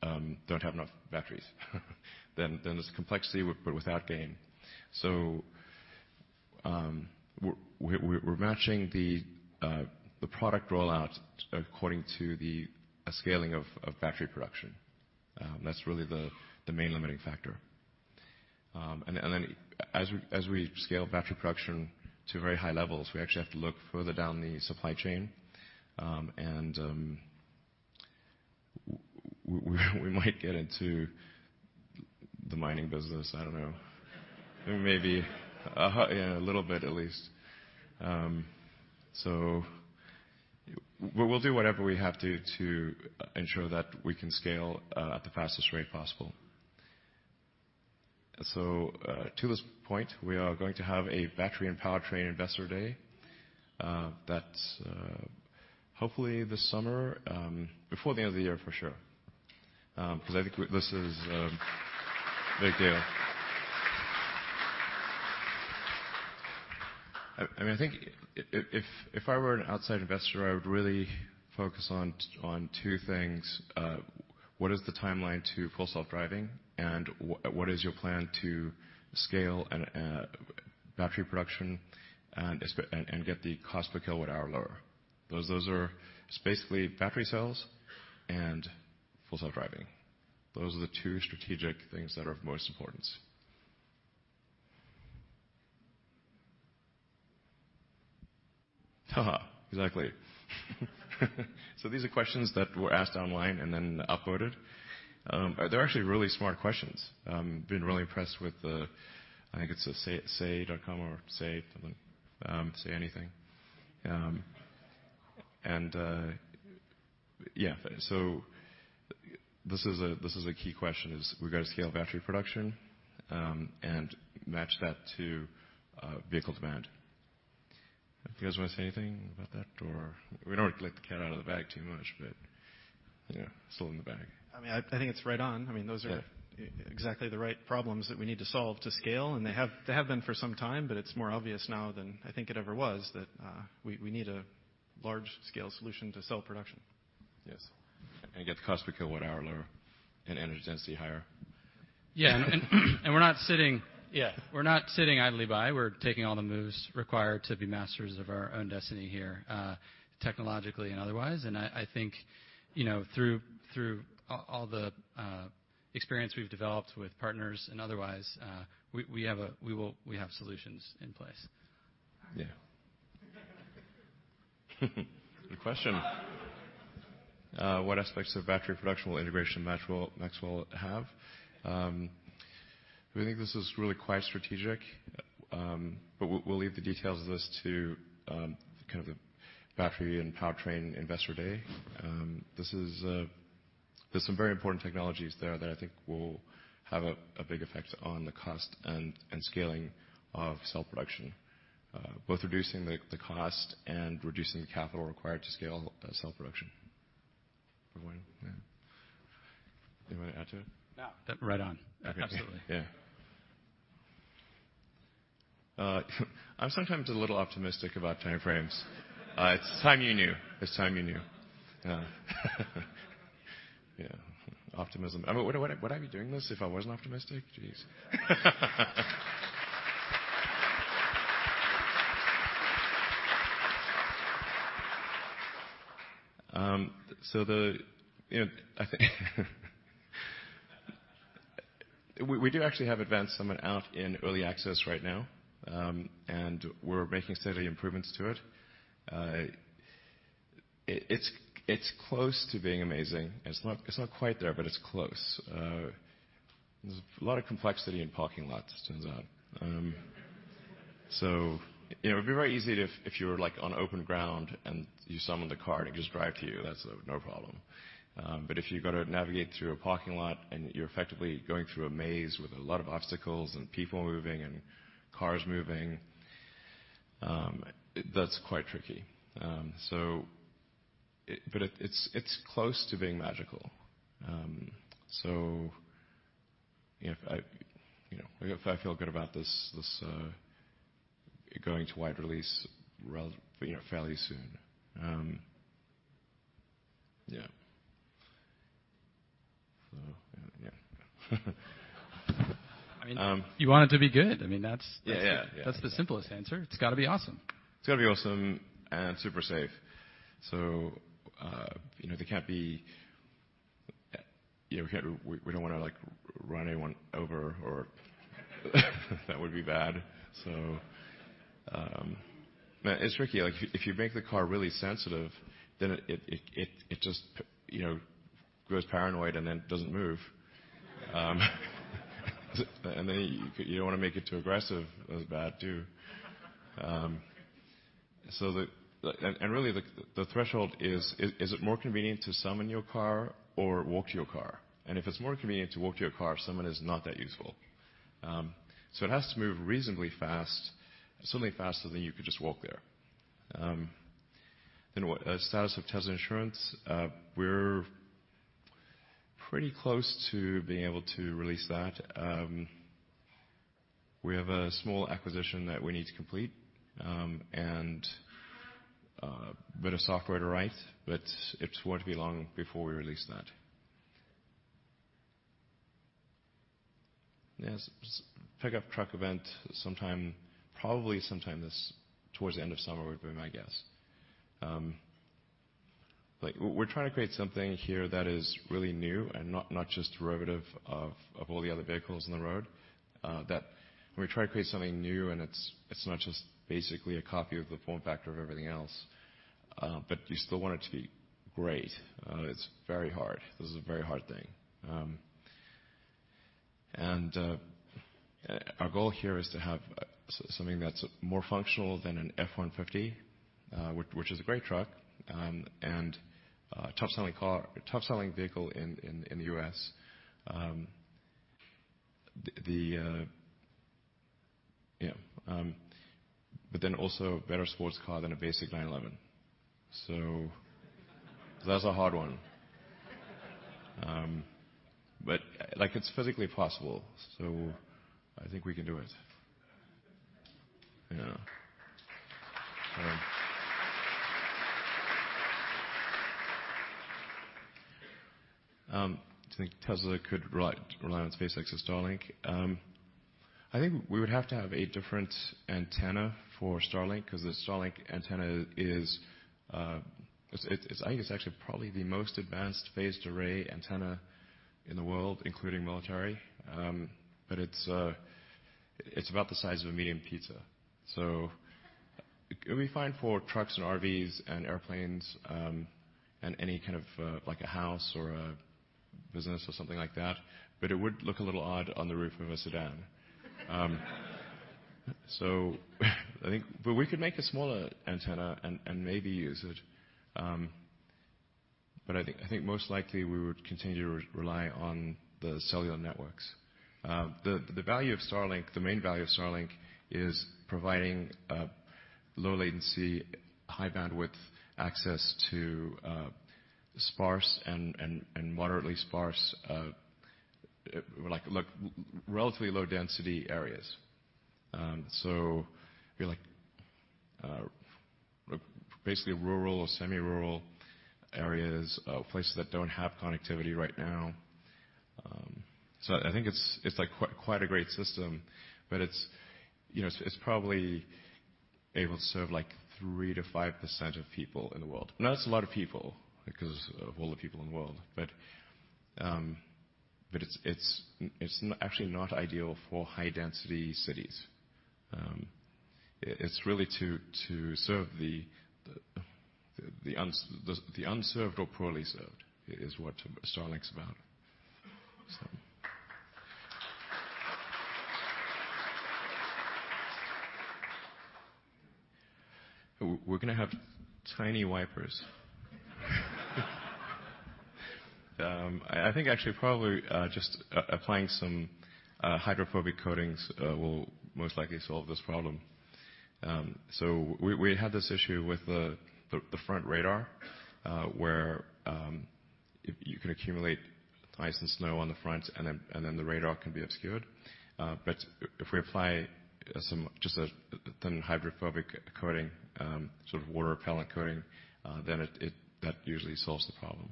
don't have enough batteries, then there's complexity, but without gain. We're matching the product rollout according to the scaling of battery production. That's really the main limiting factor. As we scale battery production to very high levels, we actually have to look further down the supply chain. We might get into the mining business, I don't know. Maybe a little bit at least. We'll do whatever we have to ensure that we can scale at the fastest rate possible. To this point, we are going to have a battery and powertrain investor day. That's hopefully this summer, before the end of the year, for sure. Thank you. I think if I were an outside investor, I would really focus on two things. What is the timeline to Full Self-Driving, and what is your plan to scale battery production and get the cost per kilowatt hour lower? Those are basically battery cells and Full Self-Driving. Those are the two strategic things that are of most importance. Haha, exactly. These are questions that were asked online and then up voted. They're actually really smart questions. Been really impressed with the, I think it's say.com or say something, Say Anything. Yeah. This is a key question, is we've got to scale battery production and match that to vehicle demand. Do you guys want to say anything about that? We don't want to let the cat out of the bag too much, but still in the bag. I think it's right on. Those are exactly the right problems that we need to solve to scale, and they have been for some time, but it's more obvious now than I think it ever was that we need a large-scale solution to cell production. Yes. Get the cost per kilowatt hour lower and energy density higher. Yeah. We're not sitting Yeah idly by. We're taking all the moves required to be masters of our own destiny here, technologically and otherwise. I think through all the experience we've developed with partners and otherwise, we have solutions in place. Yeah. Good question. What aspects of battery production will integration Maxwell have? I think this is really quite strategic, but we'll leave the details of this to the battery and powertrain investor day. There's some very important technologies there that I think will have a big effect on the cost and scaling of cell production, both reducing the cost and reducing the capital required to scale cell production. Anyone want to add to it? No. Right on. Absolutely. Yeah. I'm sometimes a little optimistic about time frames. It's time you knew. Yeah. Yeah. Optimism. Would I be doing this if I wasn't optimistic? Jeez. We do actually have Advanced Summon out in early access right now. We're making steady improvements to it. It's close to being amazing. It's not quite there. It's close. There's a lot of complexity in parking lots, it turns out. It'd be very easy if you were on open ground and you summon the car and it just drive to you, that's no problem. If you've got to navigate through a parking lot and you're effectively going through a maze with a lot of obstacles and people moving and cars moving, that's quite tricky. It's close to being magical. I feel good about this going to wide release fairly soon. Yeah. You want it to be good. Yeah. That's the simplest answer. It's got to be awesome. It's got to be awesome and super safe. We don't want to run anyone over. That would be bad. It's tricky. If you make the car really sensitive, then it just grows paranoid and then doesn't move. You don't want to make it too aggressive. That's bad, too. Really, the threshold is it more convenient to summon your car or walk to your car? If it's more convenient to walk to your car, summon is not that useful. It has to move reasonably fast, certainly faster than you could just walk there. What? Status of Tesla insurance. We're pretty close to being able to release that. We have a small acquisition that we need to complete, and a bit of software to write, but it won't be long before we release that. Yes, pickup truck event probably sometime towards the end of summer would be my guess. We're trying to create something here that is really new and not just derivative of all the other vehicles on the road. We try to create something new, and it's not just basically a copy of the form factor of everything else. You still want it to be great. It's very hard. This is a very hard thing. Our goal here is to have something that's more functional than an F-150, which is a great truck, and top-selling vehicle in the U.S. Also a better sports car than a basic 911. That's a hard one. It's physically possible, so I think we can do it. Yeah. Do you think Tesla could rely on SpaceX or Starlink? I think we would have to have a different antenna for Starlink because the Starlink antenna is, I think it's actually probably the most advanced phased array antenna in the world, including military. It's about the size of a medium pizza. It'd be fine for trucks and RVs and airplanes, and any kind of like a house or a business or something like that, but it would look a little odd on the roof of a sedan. We could make a smaller antenna and maybe use it. I think most likely we would continue to rely on the cellular networks. The value of Starlink, the main value of Starlink, is providing low latency, high bandwidth access to sparse and moderately sparse, relatively low density areas. If you're basically rural or semi-rural areas, places that don't have connectivity right now. I think it's quite a great system. It's probably able to serve like 3%-5% of people in the world. That's a lot of people because of all the people in the world, but it's actually not ideal for high-density cities. It's really to serve the unserved or poorly served is what Starlink's about. We're going to have tiny wipers. I think actually probably just applying some hydrophobic coatings will most likely solve this problem. We had this issue with the front radar, where you can accumulate ice and snow on the front and then the radar can be obscured. If we apply just a thin hydrophobic coating, sort of water repellent coating, that usually solves the problem.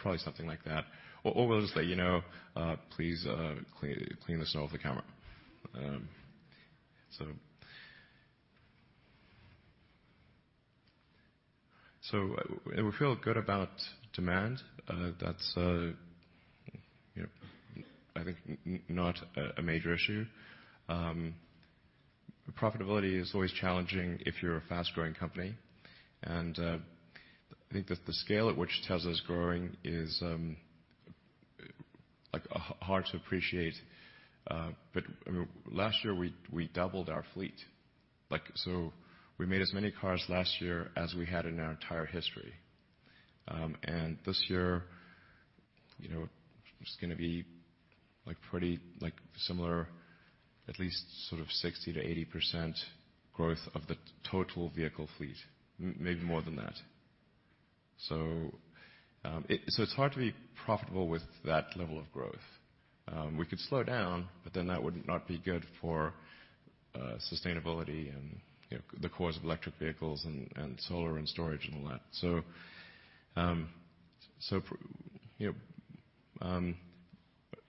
Probably something like that. Or we'll just let you know, please clean the snow off the camera. We feel good about demand. That's I think not a major issue. Profitability is always challenging if you're a fast-growing company. I think that the scale at which Tesla is growing is hard to appreciate. Last year, we doubled our fleet. We made as many cars last year as we had in our entire history. This year, it's going to be pretty similar, at least sort of 60%-80% growth of the total vehicle fleet, maybe more than that. It's hard to be profitable with that level of growth. We could slow down, that would not be good for sustainability and the cause of electric vehicles and solar and storage and all that.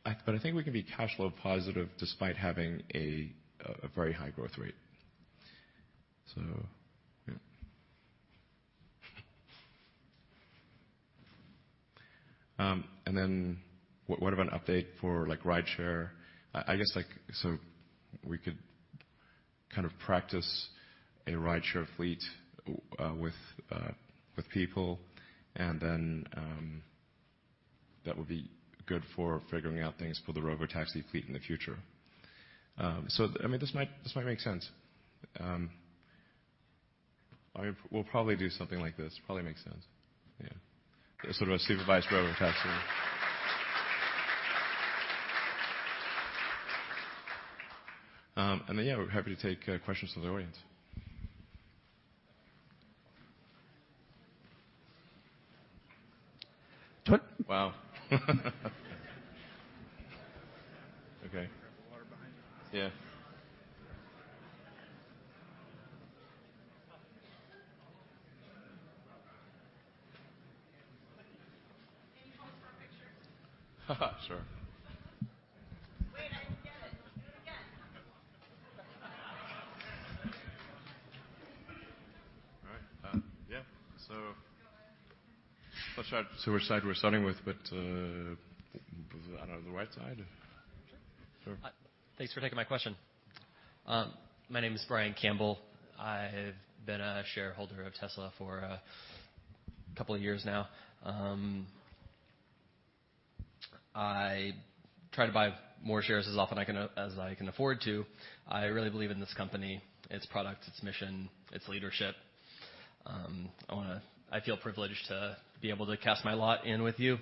I think we can be cash flow positive despite having a very high growth rate. Yeah. What about an update for ride-share? I guess we could kind of practice a ride-share fleet with people and that would be good for figuring out things for the Robotaxi fleet in the future. This might make sense. We'll probably do something like this. Probably makes sense. Yeah. Sort of a supervised Robotaxi. Yeah, we're happy to take questions from the audience. Wow. Okay. Grab the water behind you. Yeah. Can you pose for a picture? Sure. Wait, I didn't get it. Do it again. All right. Yeah. Not sure which side we're starting with, but I don't know, the right side? Sure. Thanks for taking my question. My name is Brian Campbell. I have been a shareholder of Tesla for a couple of years now. I try to buy more shares as often as I can afford to. I really believe in this company, its product, its mission, its leadership. I feel privileged to be able to cast my lot in with you,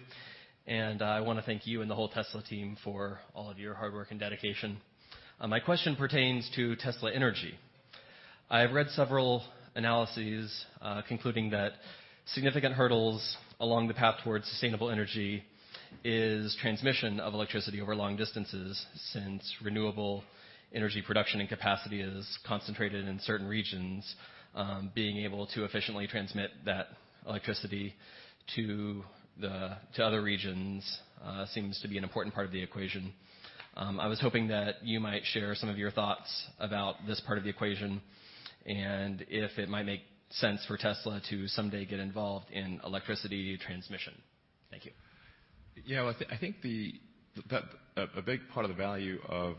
and I want to thank you and the whole Tesla team for all of your hard work and dedication. My question pertains to Tesla Energy. I have read several analyses concluding that significant hurdles along the path towards sustainable energy is transmission of electricity over long distances. Since renewable energy production and capacity is concentrated in certain regions, being able to efficiently transmit that electricity to other regions seems to be an important part of the equation. I was hoping that you might share some of your thoughts about this part of the equation and if it might make sense for Tesla to someday get involved in electricity transmission. Thank you. Yeah. I think a big part of the value of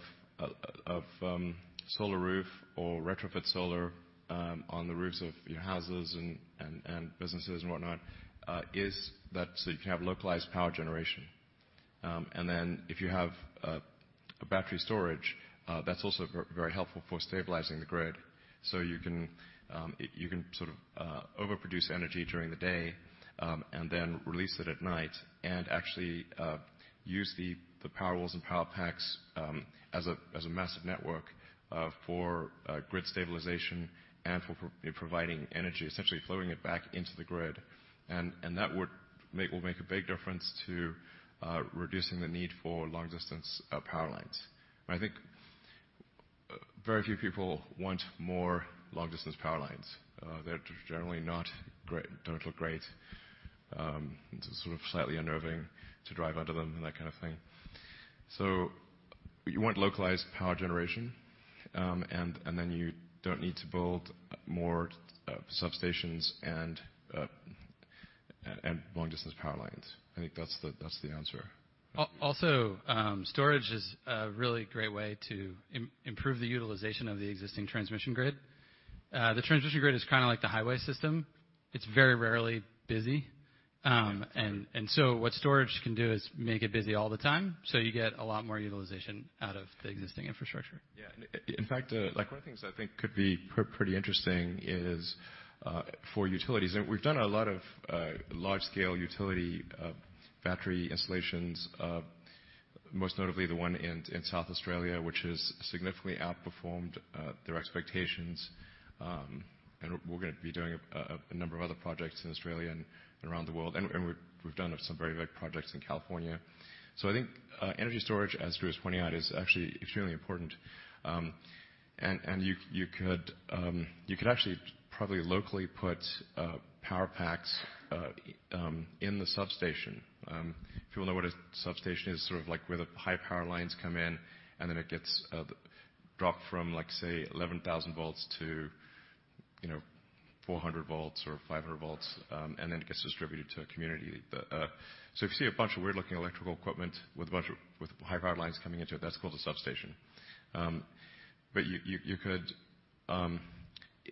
Solar Roof or retrofit solar on the roofs of your houses and businesses and whatnot, is that so you can have localized power generation. Then if you have a battery storage, that is also very helpful for stabilizing the grid. You can sort of overproduce energy during the day, and then release it at night and actually use the Powerwall and Powerpack as a massive network for grid stabilization and for providing energy, essentially flowing it back into the grid. That will make a big difference to reducing the need for long-distance power lines. I think very few people want more long-distance power lines. They are generally don't look great, sort of slightly unnerving to drive under them and that kind of thing. You want localized power generation, and then you don't need to build more substations and long-distance power lines. I think that is the answer. Storage is a really great way to improve the utilization of the existing transmission grid. The transmission grid is like the highway system. It is very rarely busy. Yeah. What storage can do is make it busy all the time, so you get a lot more utilization out of the existing infrastructure. Yeah. In fact, one of the things I think could be pretty interesting is for utilities. We have done a lot of large-scale utility battery installations, most notably the one in South Australia, which has significantly outperformed their expectations. We are going to be doing a number of other projects in Australia and around the world. We have done some very big projects in California. I think energy storage, as Drew is pointing out, is actually extremely important. You could actually probably locally put Powerpacks in the substation. If you all know what a substation is, sort of like where the high power lines come in and then it gets dropped from, let us say, 11,000 volts to 400 volts or 500 volts, and then it gets distributed to a community. If you see a bunch of weird-looking electrical equipment with high power lines coming into it, that is called a substation. You could,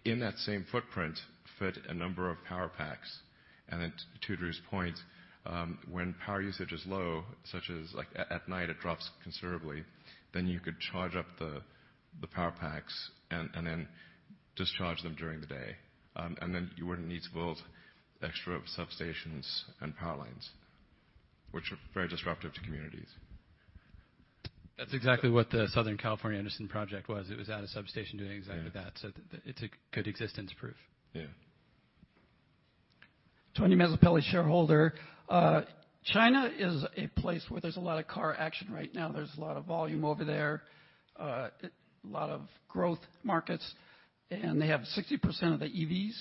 in that same footprint, fit a number of Powerpacks. Then to Drew's point, when power usage is low, such as at night, it drops considerably. Then you could charge up the Powerpacks and then discharge them during the day. Then you would not need to build extra substations and power lines, which are very disruptive to communities. That's exactly what the Southern California Edison project was. It was at a substation doing exactly that. Yeah. It's a good existence proof. Yeah. Tony Mezzapelli, shareholder. China is a place where there's a lot of car action right now. There's a lot of volume over there, a lot of growth markets, and they have 60% of the EVs.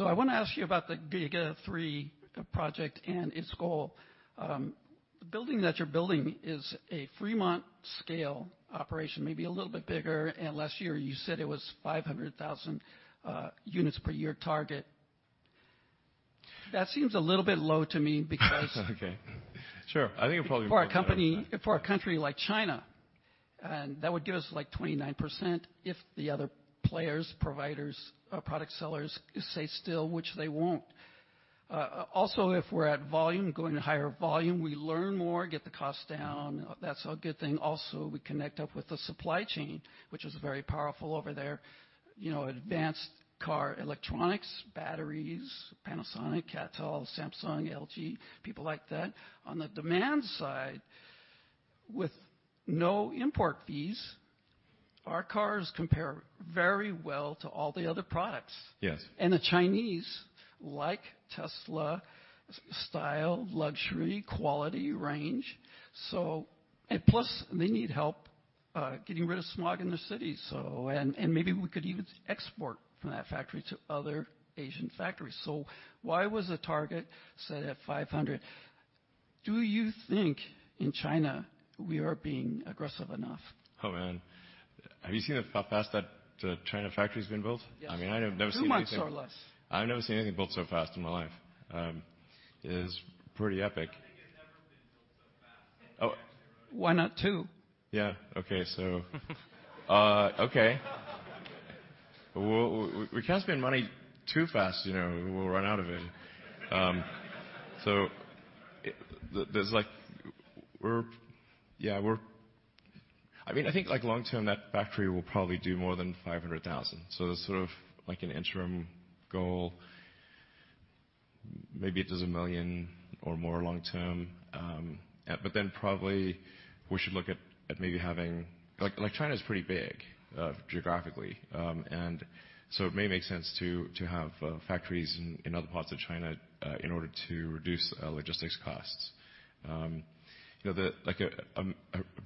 I want to ask you about the Giga 3 project and its goal. The building that you're building is a Fremont-scale operation, maybe a little bit bigger, and last year, you said it was 500,000 units per year target. That seems a little bit low to me because- Okay. Sure. I think it probably- For a company, for a country like China, that would give us like 29% if the other players, providers, product sellers stay still, which they won't. If we're at volume, going to higher volume, we learn more, get the cost down. That's a good thing. We connect up with the supply chain, which is very powerful over there. Advanced car electronics, batteries, Panasonic, CATL, Samsung, LG, people like that. On the demand side, with no import fees, our cars compare very well to all the other products. Yes. The Chinese like Tesla style, luxury, quality, range. Plus, they need help getting rid of smog in their cities. Maybe we could even export from that factory to other Asian factories. Why was the target set at 500? Do you think in China we are being aggressive enough? Oh, man. Have you seen how fast that China factory's been built? Yes. I mean, I have never seen. Two months or less. I've never seen anything built so fast in my life. It is pretty epic. Nothing has ever been built so fast in history. Why not two? Yeah. Okay. Okay. We can't spend money too fast, we'll run out of it. Yeah. I think long term, that factory will probably do more than 500,000. That's sort of like an interim goal. Maybe it does a million or more long term. Probably we should look at maybe. Like China is pretty big geographically. It may make sense to have factories in other parts of China, in order to reduce logistics costs. A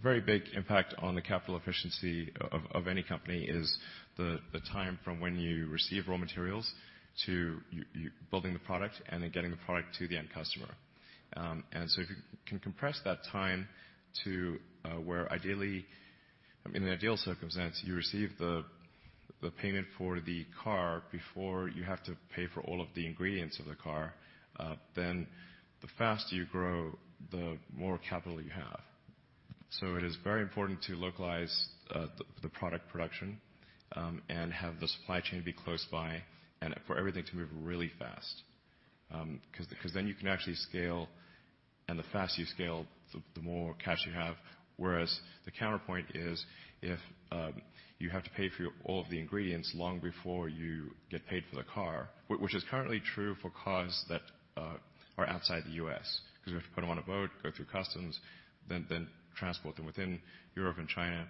very big impact on the capital efficiency of any company is the time from when you receive raw materials to building the product and then getting the product to the end customer. If you can compress that time to where ideally, I mean, in the ideal circumstance, you receive the payment for the car before you have to pay for all of the ingredients of the car, then the faster you grow, the more capital you have. It is very important to localize the product production, and have the supply chain be close by and for everything to move really fast. Then you can actually scale, and the faster you scale, the more cash you have. Whereas the counterpoint is if you have to pay for all of the ingredients long before you get paid for the car, which is currently true for cars that are outside the U.S., because we have to put them on a boat, go through customs, then transport them within Europe and China.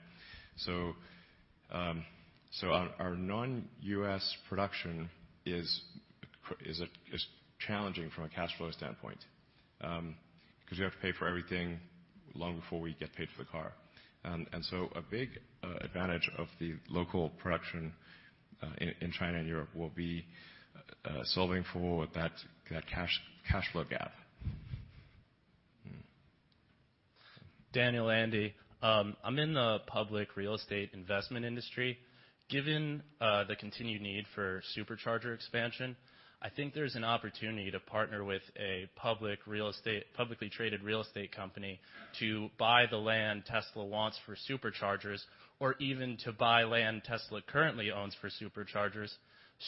Our non-U.S. production is challenging from a cash flow standpoint, because we have to pay for everything long before we get paid for the car. A big advantage of the local production in China and Europe will be solving for that cash flow gap. Daniel Andy. I'm in the public real estate investment industry. Given the continued need for Supercharger expansion, I think there's an opportunity to partner with a publicly traded real estate company to buy the land Tesla wants for Superchargers or even to buy land Tesla currently owns for Superchargers,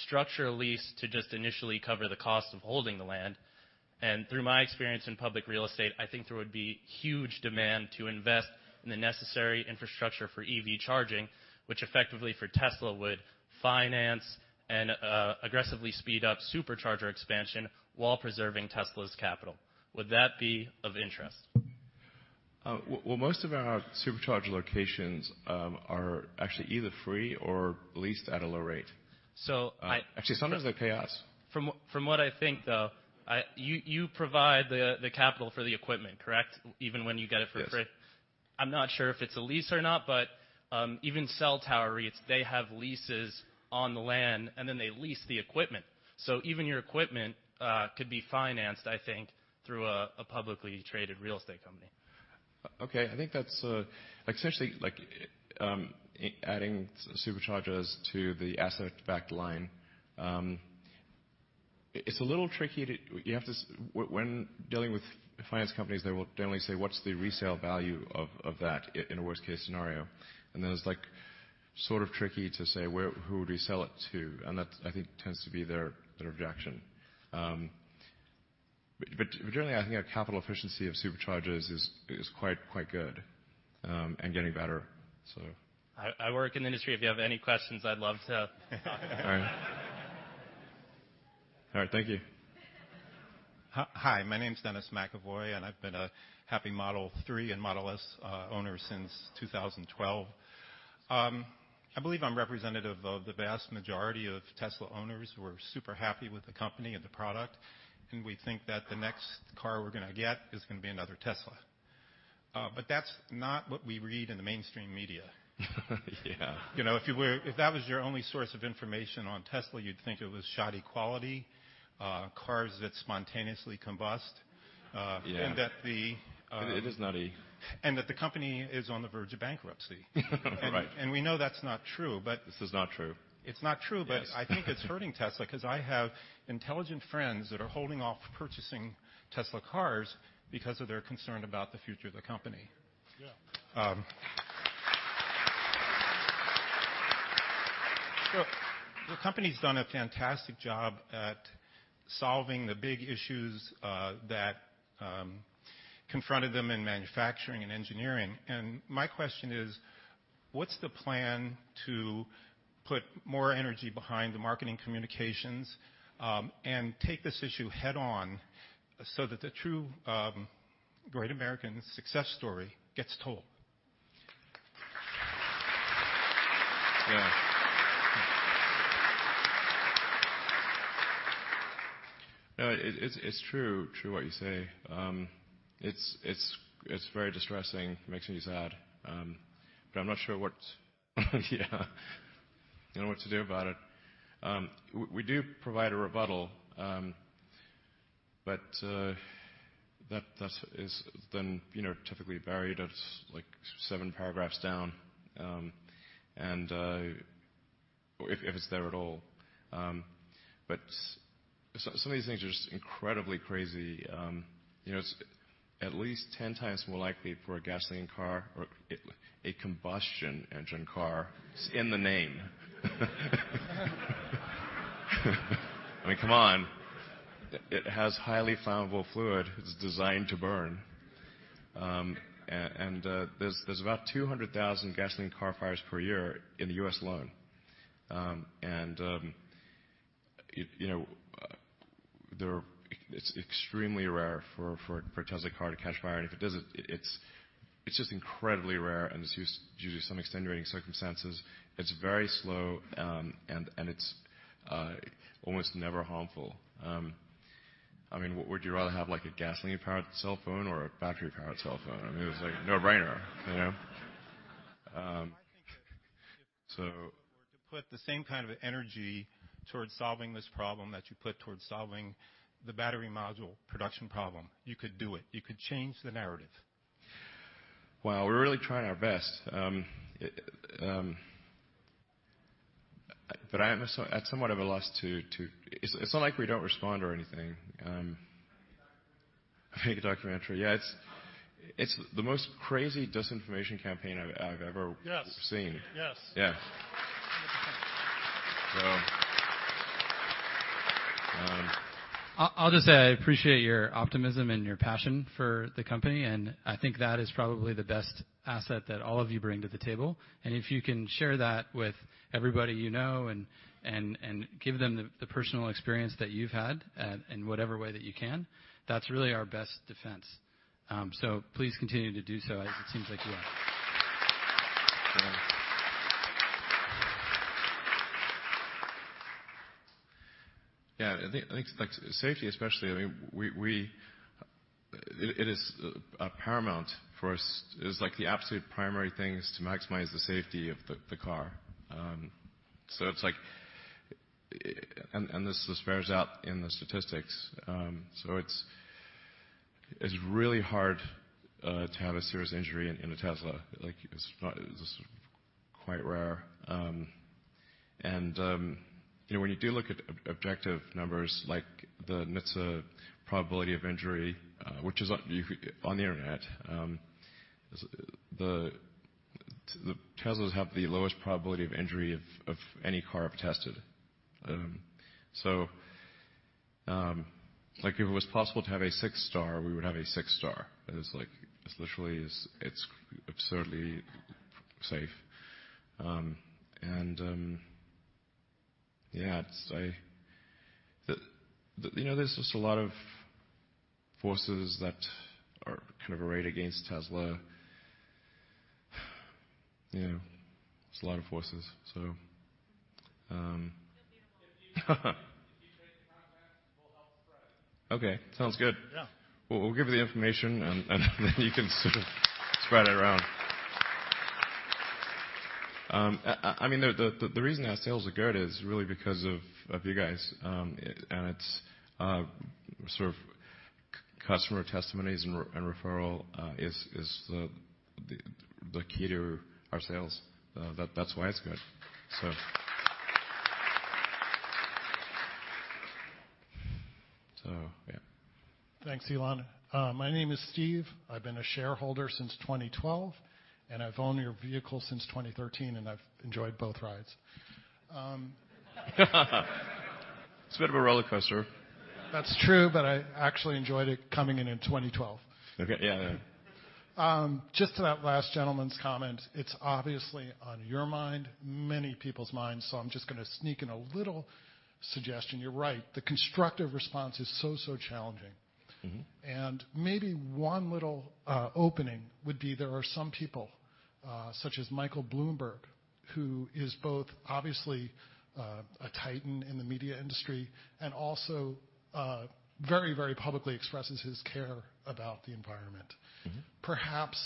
structure a lease to just initially cover the cost of holding the land. Through my experience in public real estate, I think there would be huge demand to invest in the necessary infrastructure for EV charging, which effectively for Tesla would finance and aggressively speed up Supercharger expansion while preserving Tesla's capital. Would that be of interest? Well, most of our Supercharger locations are actually either free or leased at a low rate. I-. Actually, sometimes they pay us. From what I think, though, you provide the capital for the equipment, correct? Even when you get it for free. Yes. I'm not sure if it's a lease or not, but even cell tower REITs, they have leases on the land, and then they lease the equipment. Even your equipment could be financed, I think, through a publicly traded real estate company. Okay. I think that's essentially like adding Superchargers to the asset-backed line. It's a little tricky. When dealing with finance companies, they will generally say, "What's the resale value of that in a worst-case scenario?" Then it's sort of tricky to say, "Who would we sell it to?" That, I think, tends to be their objection. Generally, I think our capital efficiency of Superchargers is quite good, and getting better. I work in the industry. If you have any questions, I'd love to All right, thank you. Hi, my name's Dennis McAvoy. I've been a happy Model 3 and Model S owner since 2012. I believe I'm representative of the vast majority of Tesla owners who are super happy with the company and the product, we think that the next car we're going to get is going to be another Tesla. That's not what we read in the mainstream media. Yeah. If that was your only source of information on Tesla, you'd think it was shoddy quality, cars that spontaneously combust- Yeah That the- It is nutty. That the company is on the verge of bankruptcy. Right. We know that's not true. This is not true. It's not true. Yes I think it's hurting Tesla because I have intelligent friends that are holding off purchasing Tesla cars because of their concern about the future of the company. Yeah. The company's done a fantastic job at solving the big issues that confronted them in manufacturing and engineering, and my question is, what's the plan to put more energy behind the marketing communications, and take this issue head on so that the true great American success story gets told? Yeah. No, it's true what you say. It's very distressing, makes me sad. I'm not sure what to do about it. We do provide a rebuttal, but that is then typically buried like seven paragraphs down, if it's there at all. Some of these things are just incredibly crazy. It's at least 10 times more likely for a gasoline car or a combustion engine car, it's in the name. I mean, come on. It has highly flammable fluid. It's designed to burn. There's about 200,000 gasoline car fires per year in the U.S. alone. It's extremely rare for a Tesla car to catch fire. If it does, it's just incredibly rare, and it's usually some extenuating circumstances. It's very slow, and it's almost never harmful. Would you rather have a gasoline-powered cell phone or a battery-powered cell phone? I mean, it's like a no-brainer. I think that if- So- You were to put the same kind of energy towards solving this problem that you put towards solving the battery module production problem, you could do it. You could change the narrative. We're really trying our best. I'm at somewhat of a loss. It's not like we don't respond or anything. Make a documentary. Make a documentary. Yeah. It's the most crazy disinformation campaign. Yes seen. Yes. Yeah. I'll just say I appreciate your optimism and your passion for the company, and I think that is probably the best asset that all of you bring to the table, and if you can share that with everybody you know and give them the personal experience that you've had in whatever way that you can, that's really our best defense. Please continue to do so, as it seems like you are. Yeah. I think safety especially, it is paramount for us. It is like the absolute primary thing is to maximize the safety of the car. This bears out in the statistics. It's really hard to have a serious injury in a Tesla. It's quite rare. When you do look at objective numbers, like the NHTSA probability of injury, which is on the internet, the Teslas have the lowest probability of injury of any car I've tested. If it was possible to have a six-star, we would have a six-star. It's absurdly safe. Yeah, there's just a lot of forces that are kind of arrayed against Tesla. Yeah. There's a lot of forces. If you take the contacts, we'll help spread. Okay, sounds good. Yeah. We'll give you the information and then you can sort of spread it around. The reason our sales are good is really because of you guys, and it's sort of customer testimonies and referral is the key to our sales. That's why it's good. Yeah. Thanks, Elon. My name is Steve. I've been a shareholder since 2012, and I've owned your vehicle since 2013, and I've enjoyed both rides. It's a bit of a rollercoaster. That's true, but I actually enjoyed it coming in in 2012. Okay. Yeah. Just to that last gentleman's comment, it's obviously on your mind, many people's minds, I'm just going to sneak in a little suggestion. You're right, the constructive response is so challenging. Maybe one little opening would be there are some people, such as Michael Bloomberg, who is both obviously a titan in the media industry and also very publicly expresses his care about the environment. Perhaps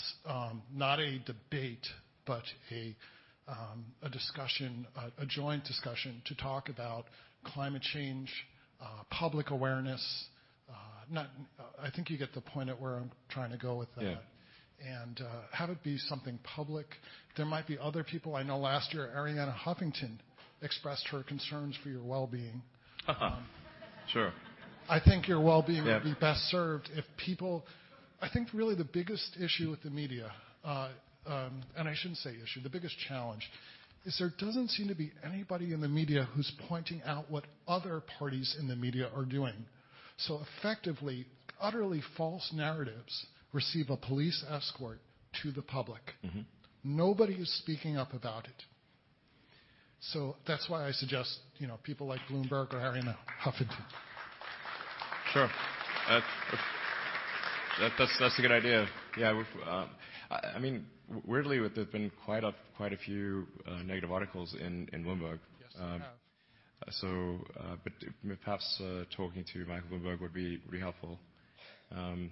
not a debate, a joint discussion to talk about climate change, public awareness, I think you get the point at where I'm trying to go with that. Yeah. Have it be something public. There might be other people. I know last year, Arianna Huffington expressed her concerns for your well-being. Sure. I think your well-being. Yeah would be best served. I think really the biggest issue with the media, and I shouldn't say issue, the biggest challenge, is there doesn't seem to be anybody in the media who's pointing out what other parties in the media are doing. Effectively, utterly false narratives receive a police escort to the public. Nobody is speaking up about it. That's why I suggest people like Bloomberg or Arianna Huffington. Sure. That's a good idea. Yeah. Weirdly, there's been quite a few negative articles in Bloomberg. Yes, there have. Perhaps talking to Michael Bloomberg would be helpful. I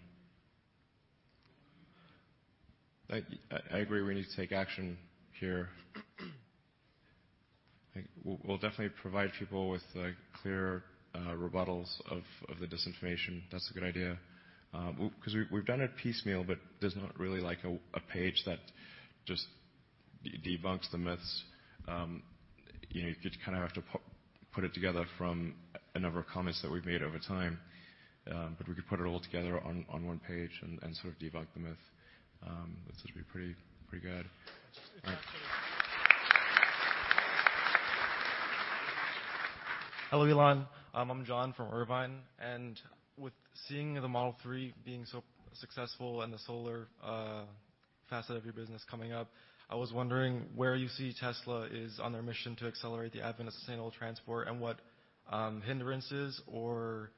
agree we need to take action here. We'll definitely provide people with clear rebuttals of the disinformation. That's a good idea. Because we've done it piecemeal, but there's not really a page that just debunks the myths. You kind of have to put it together from a number of comments that we've made over time. We could put it all together on one page and sort of debunk the myth. This would be pretty good. Exactly. Hello, Elon. I'm John from Irvine. With seeing the Model 3 being so successful and the solar facet of your business coming up, I was wondering where you see Tesla is on their mission to accelerate the advent of sustainable transport and what hindrances or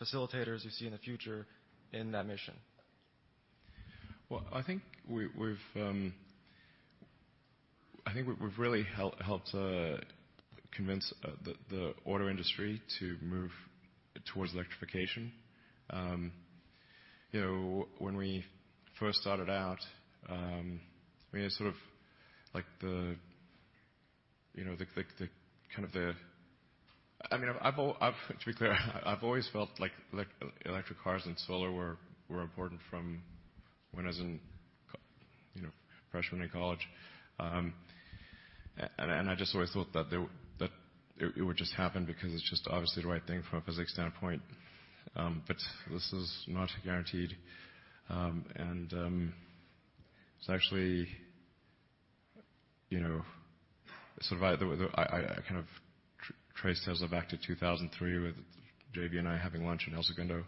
facilitators you see in the future in that mission? I think we've really helped convince the auto industry to move towards electrification. When we first started out, to be clear, I've always felt like electric cars and solar were important from when I was in freshman in college. I just always thought that it would just happen because it's just obviously the right thing from a physics standpoint. This is not guaranteed. I kind of trace Tesla back to 2003 with JB and I having lunch in El Segundo.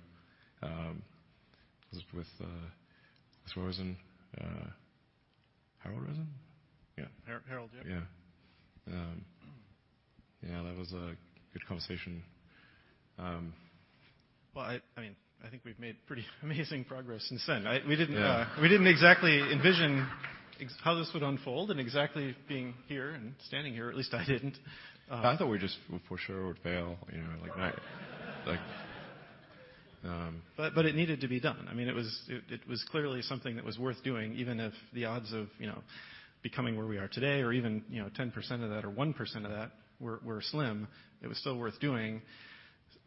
It was with Rosen. Harold Rosen? Yeah. Harold, yeah. Yeah, that was a good conversation. I think we've made pretty amazing progress since then. Yeah. We didn't exactly envision how this would unfold and exactly being here and standing here, at least I didn't. I thought we just for sure would fail. It needed to be done. It was clearly something that was worth doing, even if the odds of becoming where we are today or even 10% of that or 1% of that were slim. It was still worth doing.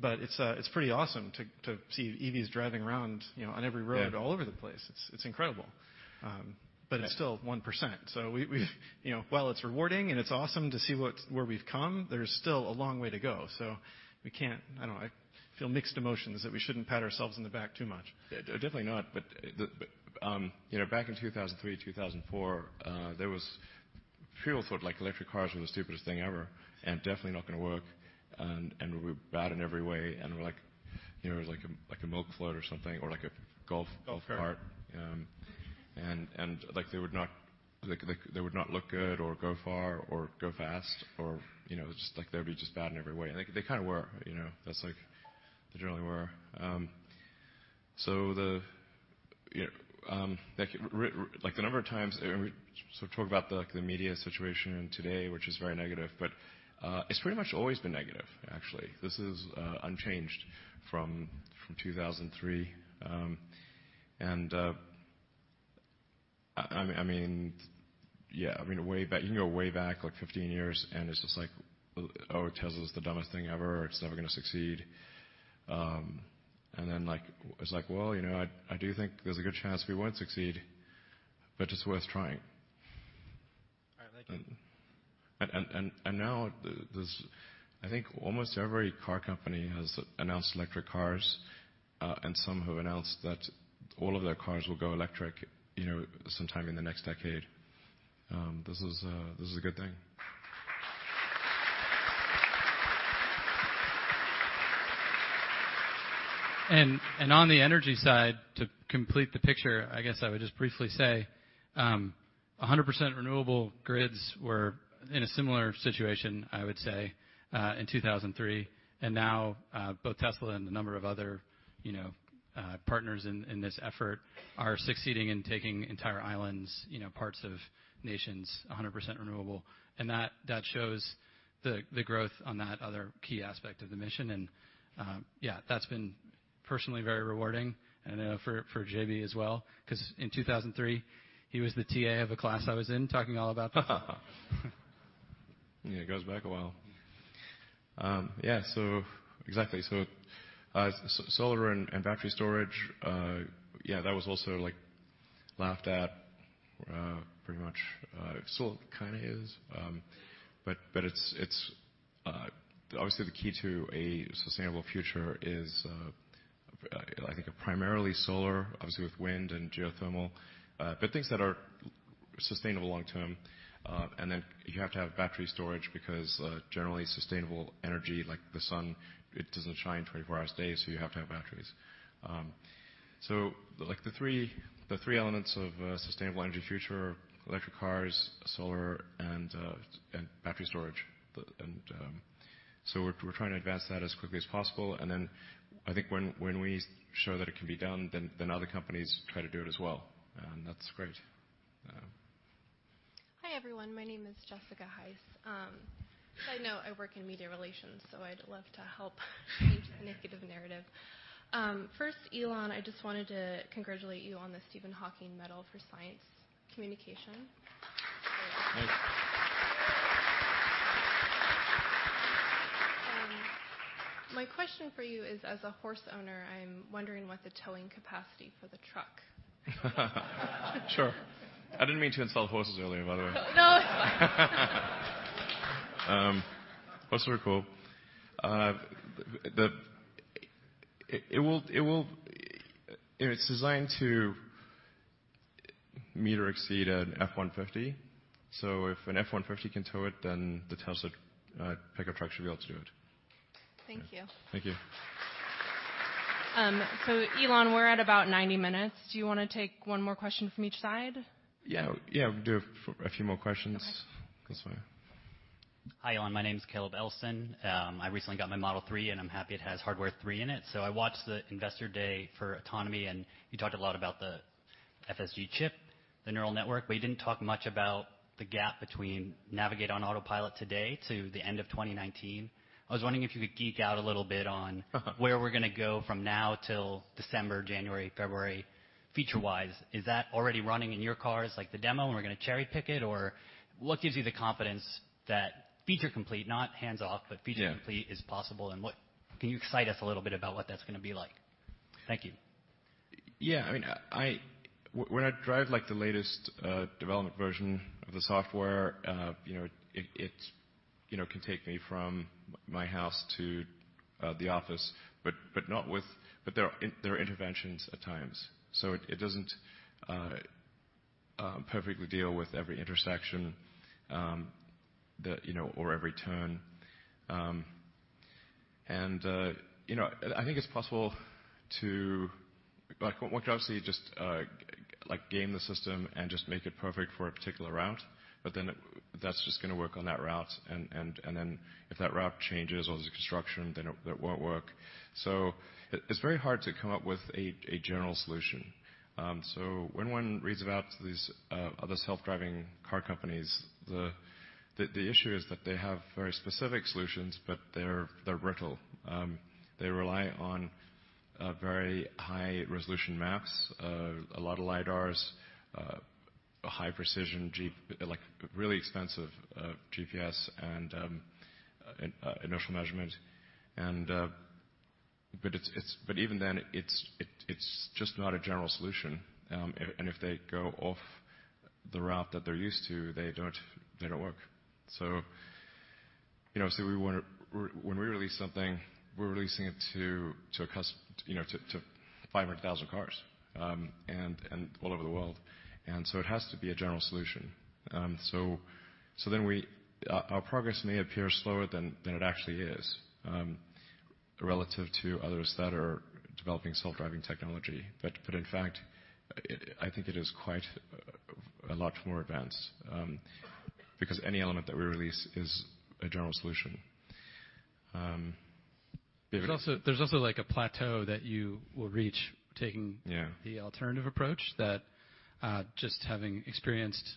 It's pretty awesome to see EVs driving around on every road. Yeah all over the place. It's incredible. It's still 1%. While it's rewarding and it's awesome to see where we've come, there's still a long way to go. I feel mixed emotions that we shouldn't pat ourselves on the back too much. Definitely not. Back in 2003, 2004, there was people thought electric cars were the stupidest thing ever and definitely not going to work and were bad in every way, and were like a milk float or something, or like a golf cart. Golf cart. They would not look good or go far or go fast or just they would be just bad in every way. They kind of were. They generally were. Talk about the media situation today, which is very negative, but it's pretty much always been negative, actually. This is unchanged from 2003. You can go way back, 15 years, and it's just like, "Oh, Tesla's the dumbest thing ever. It's never going to succeed." Then it's like, well, I do think there's a good chance we won't succeed, but it's worth trying. All right. Thank you. Now, I think almost every car company has announced electric cars, and some have announced that all of their cars will go electric sometime in the next decade. This is a good thing. On the energy side, to complete the picture, I guess I would just briefly say 100% renewable grids were in a similar situation, I would say, in 2003, now both Tesla and a number of other partners in this effort are succeeding in taking entire islands, parts of nations, 100% renewable. That shows the growth on that other key aspect of the mission, and that's been personally very rewarding. I know for JB as well, because in 2003, he was the TA of a class I was in, talking all about this. Yeah, it goes back a while. Exactly. Solar and battery storage, that was also laughed at pretty much. Still kind of is. Obviously, the key to a sustainable future is, I think, primarily solar, obviously with wind and geothermal, but things that are sustainable long-term. You have to have battery storage because generally sustainable energy, like the sun, it doesn't shine 24 hours a day, so you have to have batteries. The three elements of a sustainable energy future are electric cars, solar, and battery storage. We're trying to advance that as quickly as possible, and then I think when we show that it can be done, then other companies try to do it as well, and that's great. Hi, everyone. My name is Jessica Heiss. As I know, I work in media relations, I'd love to help change the negative narrative. First, Elon, I just wanted to congratulate you on the Stephen Hawking Medal for Science Communication. Thanks. My question for you is, as a horse owner, I'm wondering what the towing capacity for the truck is. Sure. I didn't mean to insult horses earlier, by the way. No, it's fine. Horses are cool. It's designed to meet or exceed an F-150. If an F-150 can tow it, the Tesla pickup truck should be able to do it. Thank you. Thank you. Elon, we're at about 90 minutes. Do you want to take one more question from each side? Yeah. We can do a few more questions. Okay. That's fine. Hi, Elon. My name's Caleb Elson. I recently got my Model 3, and I'm happy it has Hardware 3 in it. I watched the Investor Day for autonomy, and you talked a lot about the FSD chip, the neural network, but you didn't talk much about the gap between Navigate on Autopilot today to the end of 2019. I was wondering if you could geek out a little bit where we're going to go from now till December, January, February, feature wise. Is that already running in your cars, like the demo, and we're going to cherry-pick it? Or what gives you the confidence that feature complete, not hands-off, but feature complete. Yeah is possible, can you excite us a little bit about what that's going to be like? Thank you. Yeah. When I drive the latest development version of the software, it can take me from my house to the office, but there are interventions at times. It doesn't perfectly deal with every intersection or every turn. I think it's possible to, one could obviously just game the system and just make it perfect for a particular route, but then that's just going to work on that route, and then if that route changes or there's construction, then it won't work. It's very hard to come up with a general solution. When one reads about these other self-driving car companies, the issue is that they have very specific solutions, but they're brittle. They rely on very high-resolution maps, a lot of LiDAR, a high-precision, really expensive GPS and inertial measurement. Even then, it's just not a general solution. If they go off the route that they're used to, they don't work. When we release something, we're releasing it to 500,000 cars and all over the world. It has to be a general solution. Our progress may appear slower than it actually is relative to others that are developing self-driving technology. In fact, I think it is quite a lot more advanced, because any element that we release is a general solution. There's also like a plateau that you will reach. Yeah the alternative approach that, just having experienced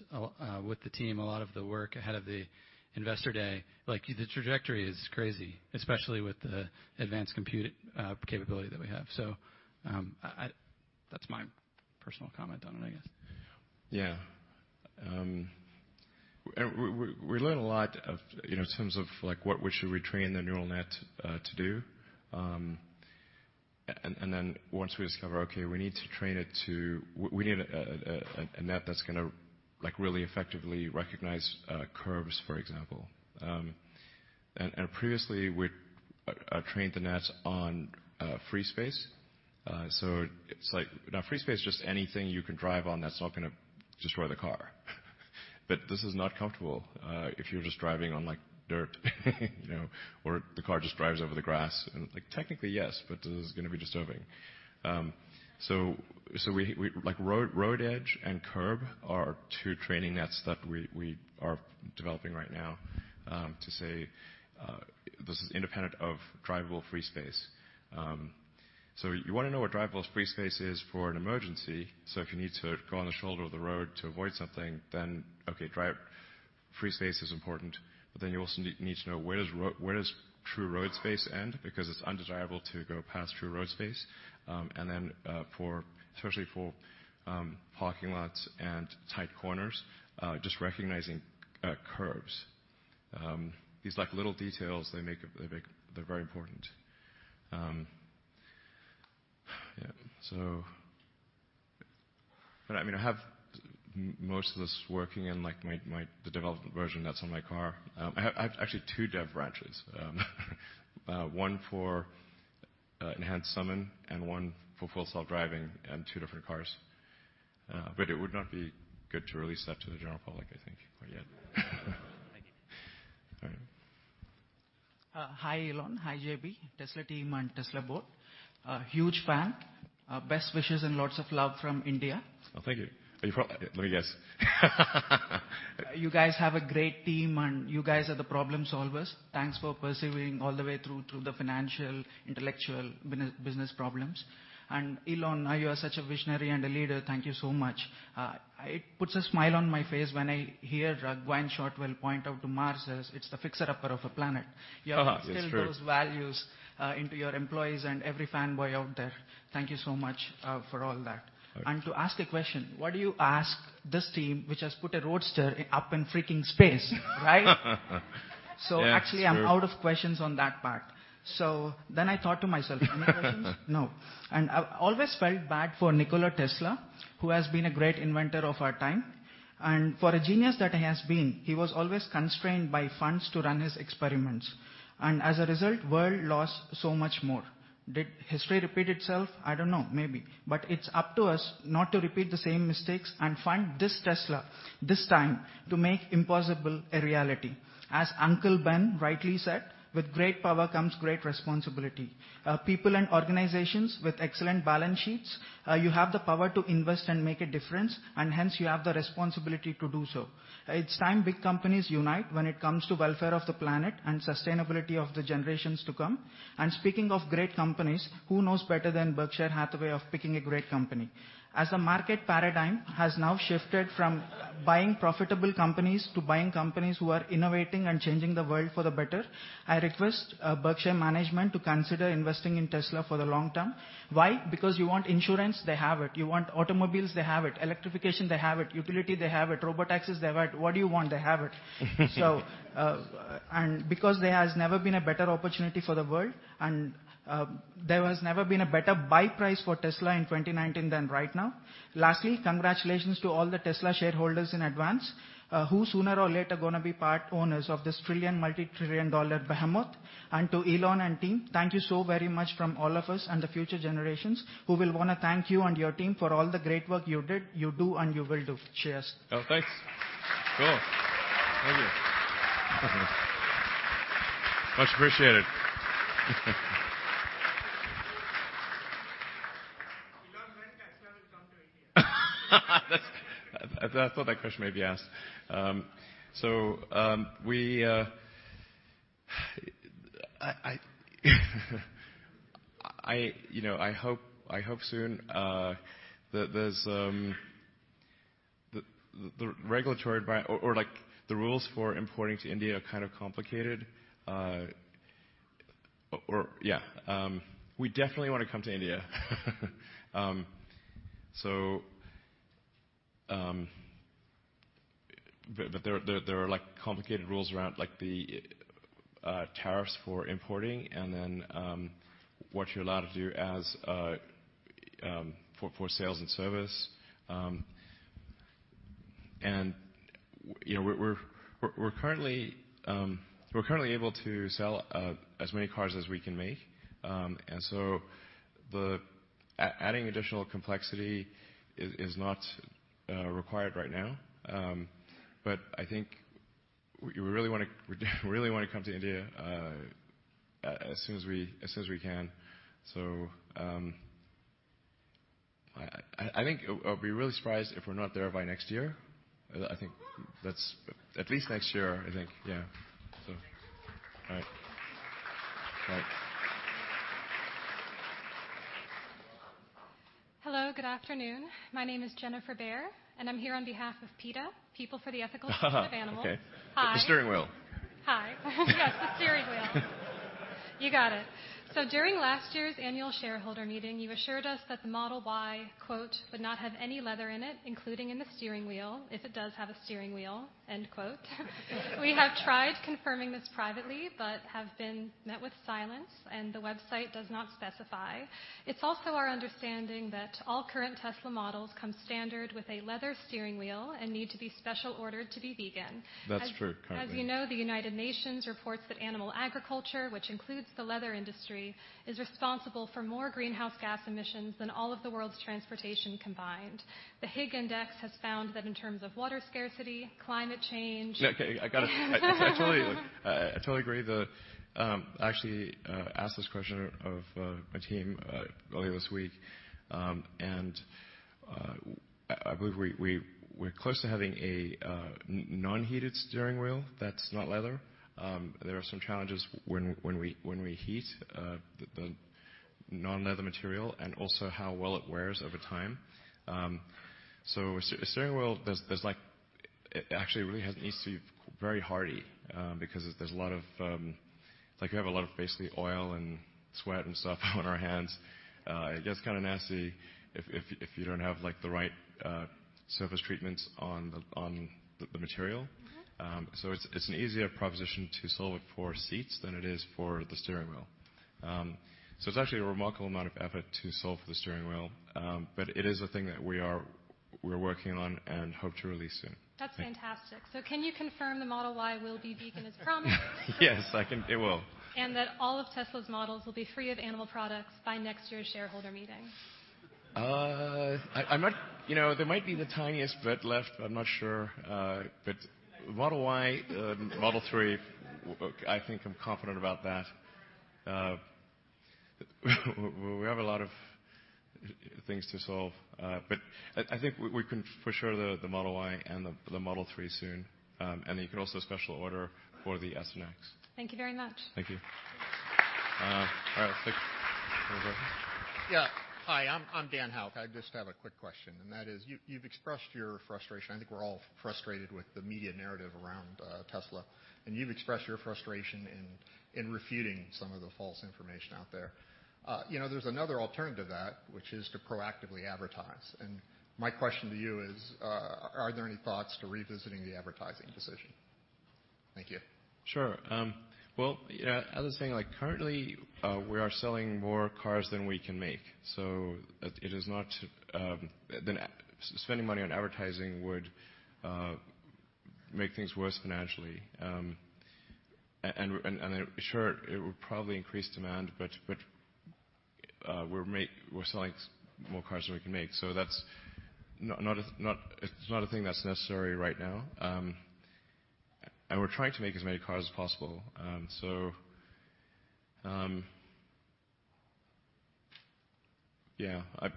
with the team, a lot of the work ahead of the investor day, the trajectory is crazy, especially with the advanced compute capability that we have. That's my personal comment on it, I guess. We learn a lot of in terms of what should we train the neural net to do? Once we discover, okay, we need a net that's going to really effectively recognize curves, for example. Previously, we trained the nets on free space. Free space is just anything you can drive on that's not going to destroy the car. This is not comfortable if you're just driving on dirt or the car just drives over the grass. Technically yes, but this is going to be disturbing. Road edge and curb are two training nets that we are developing right now to say this is independent of drivable free space. You want to know what drivable free space is for an emergency, so if you need to go on the shoulder of the road to avoid something, then okay, free space is important, but then you also need to know where does true road space end? Because it's undesirable to go past true road space. Especially for parking lots and tight corners, just recognizing curbs. These little details, they're very important. I have most of this working in the development version that's on my car. I have actually two dev branches. One for enhanced summon and one for Full Self-Driving and two different cars. It would not be good to release that to the general public, I think, quite yet. Thank you. All right. Hi, Elon. Hi, JB, Tesla team, and Tesla board. Huge fan. Best wishes and lots of love from India. Oh, thank you. Are you from Let me guess. You guys have a great team, and you guys are the problem solvers. Thanks for persevering all the way through the financial, intellectual, business problems. Elon, you are such a visionary and a leader. Thank you so much. It puts a smile on my face when I hear Gwynne Shotwell point out to Mars as it's the fixer-upper of a planet. Oh, it's true. You instill those values into your employees and every fanboy out there. Thank you so much for all that. Okay. To ask a question, what do you ask this team, which has put a Roadster up in freaking space, right? Yeah, that's true. Actually, I'm out of questions on that part. I thought to myself, any more things? No. I've always felt bad for Nikola Tesla, who has been a great inventor of our time. For a genius that he has been, he was always constrained by funds to run his experiments. As a result, world lost so much more. Did history repeat itself? I don't know. Maybe. It's up to us not to repeat the same mistakes and find this Tesla, this time, to make impossible a reality. As Uncle Ben rightly said, "With great power comes great responsibility." People and organizations with excellent balance sheets, you have the power to invest and make a difference, and hence you have the responsibility to do so. It's time big companies unite when it comes to welfare of the planet and sustainability of the generations to come. Speaking of great companies, who knows better than Berkshire Hathaway of picking a great company. As the market paradigm has now shifted from buying profitable companies to buying companies who are innovating and changing the world for the better, I request Berkshire management to consider investing in Tesla for the long term. Why? Because you want insurance, they have it. You want automobiles, they have it. Electrification, they have it. Utility, they have it. Robotaxis, they have it. What do you want? They have it. Because there has never been a better opportunity for the world, and there has never been a better buy price for Tesla in 2019 than right now. Lastly, congratulations to all the Tesla shareholders in advance, who sooner or later are going to be part owners of this trillion, multi-trillion dollar behemoth. To Elon and team, thank you so very much from all of us and the future generations, who will want to thank you and your team for all the great work you did, you do, and you will do. Cheers. Oh, thanks. Cool. Thank you. Much appreciated. Elon, when can I sell it down to India? I thought that question may be asked. I hope soon. The rules for importing to India are kind of complicated. Yeah. We definitely want to come to India. There are complicated rules around the tariffs for importing and then what you're allowed to do for sales and service. We're currently able to sell as many cars as we can make. Adding additional complexity is not required right now. I think we really want to come to India as soon as we can. I think I'll be really surprised if we're not there by next year. Whoo. At least next year, I think. Yeah. Whoo. All right. Hello. Right. Hello. Good afternoon. My name is Jennifer Bear, and I'm here on behalf of PETA, People for the Ethical- Okay Treatment of Animals. Hi. The steering wheel. Hi. Yes, the steering wheel. You got it. During last year's annual shareholder meeting, you assured us that the Model Y, quote, "Would not have any leather in it, including in the steering wheel, if it does have a steering wheel," end quote. We have tried confirming this privately, but have been met with silence, and the website does not specify. It's also our understanding that all current Tesla models come standard with a leather steering wheel and need to be special ordered to be vegan. That's true, currently. As you know, the United Nations reports that animal agriculture, which includes the leather industry, is responsible for more greenhouse gas emissions than all of the world's transportation combined. The Higg Index has found that in terms of water scarcity, climate change. No, okay, I totally agree. I actually asked this question of my team earlier this week, I believe we're close to having a non-heated steering wheel that's not leather. There are some challenges when we heat the non-leather material and also how well it wears over time. A steering wheel, it actually really needs to be very hardy because there's a lot of, basically oil and sweat and stuff on our hands. It gets kind of nasty if you don't have the right surface treatments on the material. It's an easier proposition to solve it for seats than it is for the steering wheel. It's actually a remarkable amount of effort to solve for the steering wheel. It is a thing that we're working on and hope to release soon. That's fantastic. Can you confirm the Model Y will be vegan as promised? Yes, it will. That all of Tesla's models will be free of animal products by next year's shareholder meeting? There might be the tiniest bit left, but I'm not sure. Model Y, Model 3, I think I'm confident about that. We have a lot of things to solve. I think we can for sure the Model Y and the Model 3 soon. Then you can also special order for the S and X. Thank you very much. Thank you. All right. Next. Over here. Yeah. Hi, I'm Dan Houck. I just have a quick question, that is, you've expressed your frustration. I think we're all frustrated with the media narrative around Tesla, you've expressed your frustration in refuting some of the false information out there. There's another alternative to that, which is to proactively advertise. My question to you is, are there any thoughts to revisiting the advertising decision? Thank you. Sure. Well, as I was saying, currently, we are selling more cars than we can make. Spending money on advertising would make things worse financially. Sure, it would probably increase demand, but we're selling more cars than we can make. It's not a thing that's necessary right now. We're trying to make as many cars as possible. Yeah. I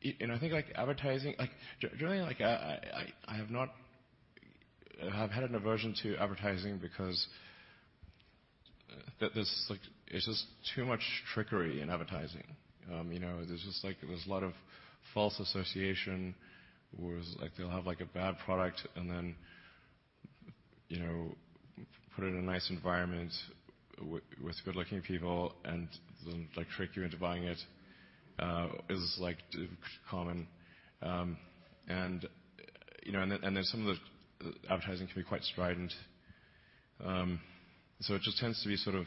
think advertising, generally, I have had an aversion to advertising because there's just too much trickery in advertising. There's a lot of false association where they'll have a bad product and then put it in a nice environment with good-looking people and then trick you into buying it. It is common. Then some of the advertising can be quite strident. It just tends to be sort of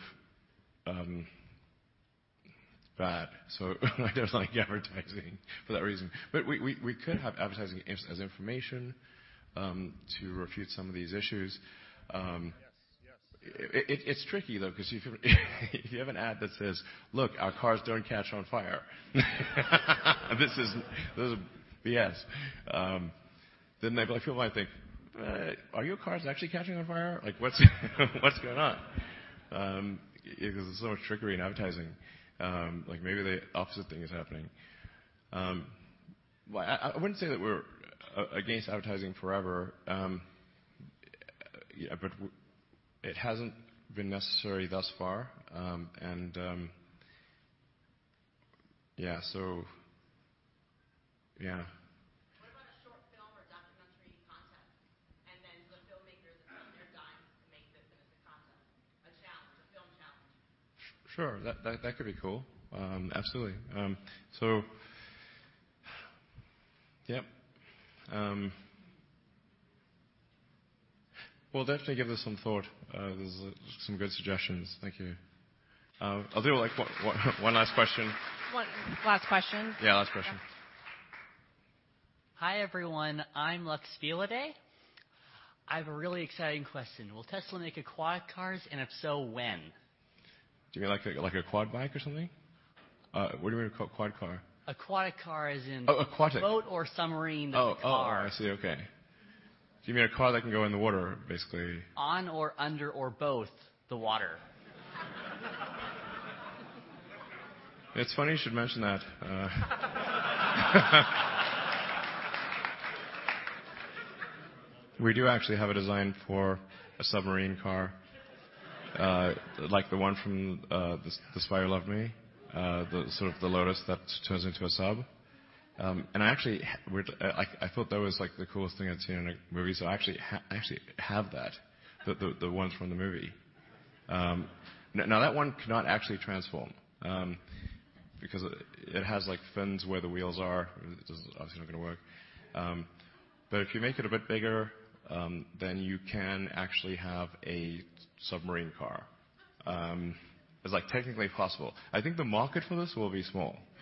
bad. I don't like advertising for that reason. We could have advertising as information to refute some of these issues. Yes, yes. It's tricky, though, because if you have an ad that says, "Look, our cars don't catch on fire." This is BS. People might think, "Are your cars actually catching on fire? What's going on?" Because there's so much trickery in advertising. Maybe the opposite thing is happening. I wouldn't say that we're against advertising forever. It hasn't been necessary thus far. Yeah. What about a short film or documentary contest and then the filmmakers spend their dimes to make this as a contest, a challenge, a film challenge? Sure, that could be cool. Absolutely. Yeah. We'll definitely give this some thought. These are some good suggestions. Thank you. I'll do one last question. One last question? Yeah, last question. Okay. Hi, everyone. I'm Lux Feela Day. I have a really exciting question. Will Tesla make aquatic cars, and if so, when? Do you mean like a quad bike or something? What do you mean quad car? Aquatic car as in- Oh, aquatic boat or submarine car. Oh, R, I see. Okay. You mean a car that can go in the water, basically. On or under or both, the water. It's funny you should mention that. We do actually have a design for a submarine car like the one from "The Spy Who Loved Me," the Lotus that turns into a sub. I thought that was the coolest thing I'd seen in a movie, so I actually have that, the ones from the movie. That one cannot actually transform because it has fins where the wheels are. It's obviously not going to work. If you make it a bit bigger, then you can actually have a submarine car. It's technically possible. I think the market for this will be small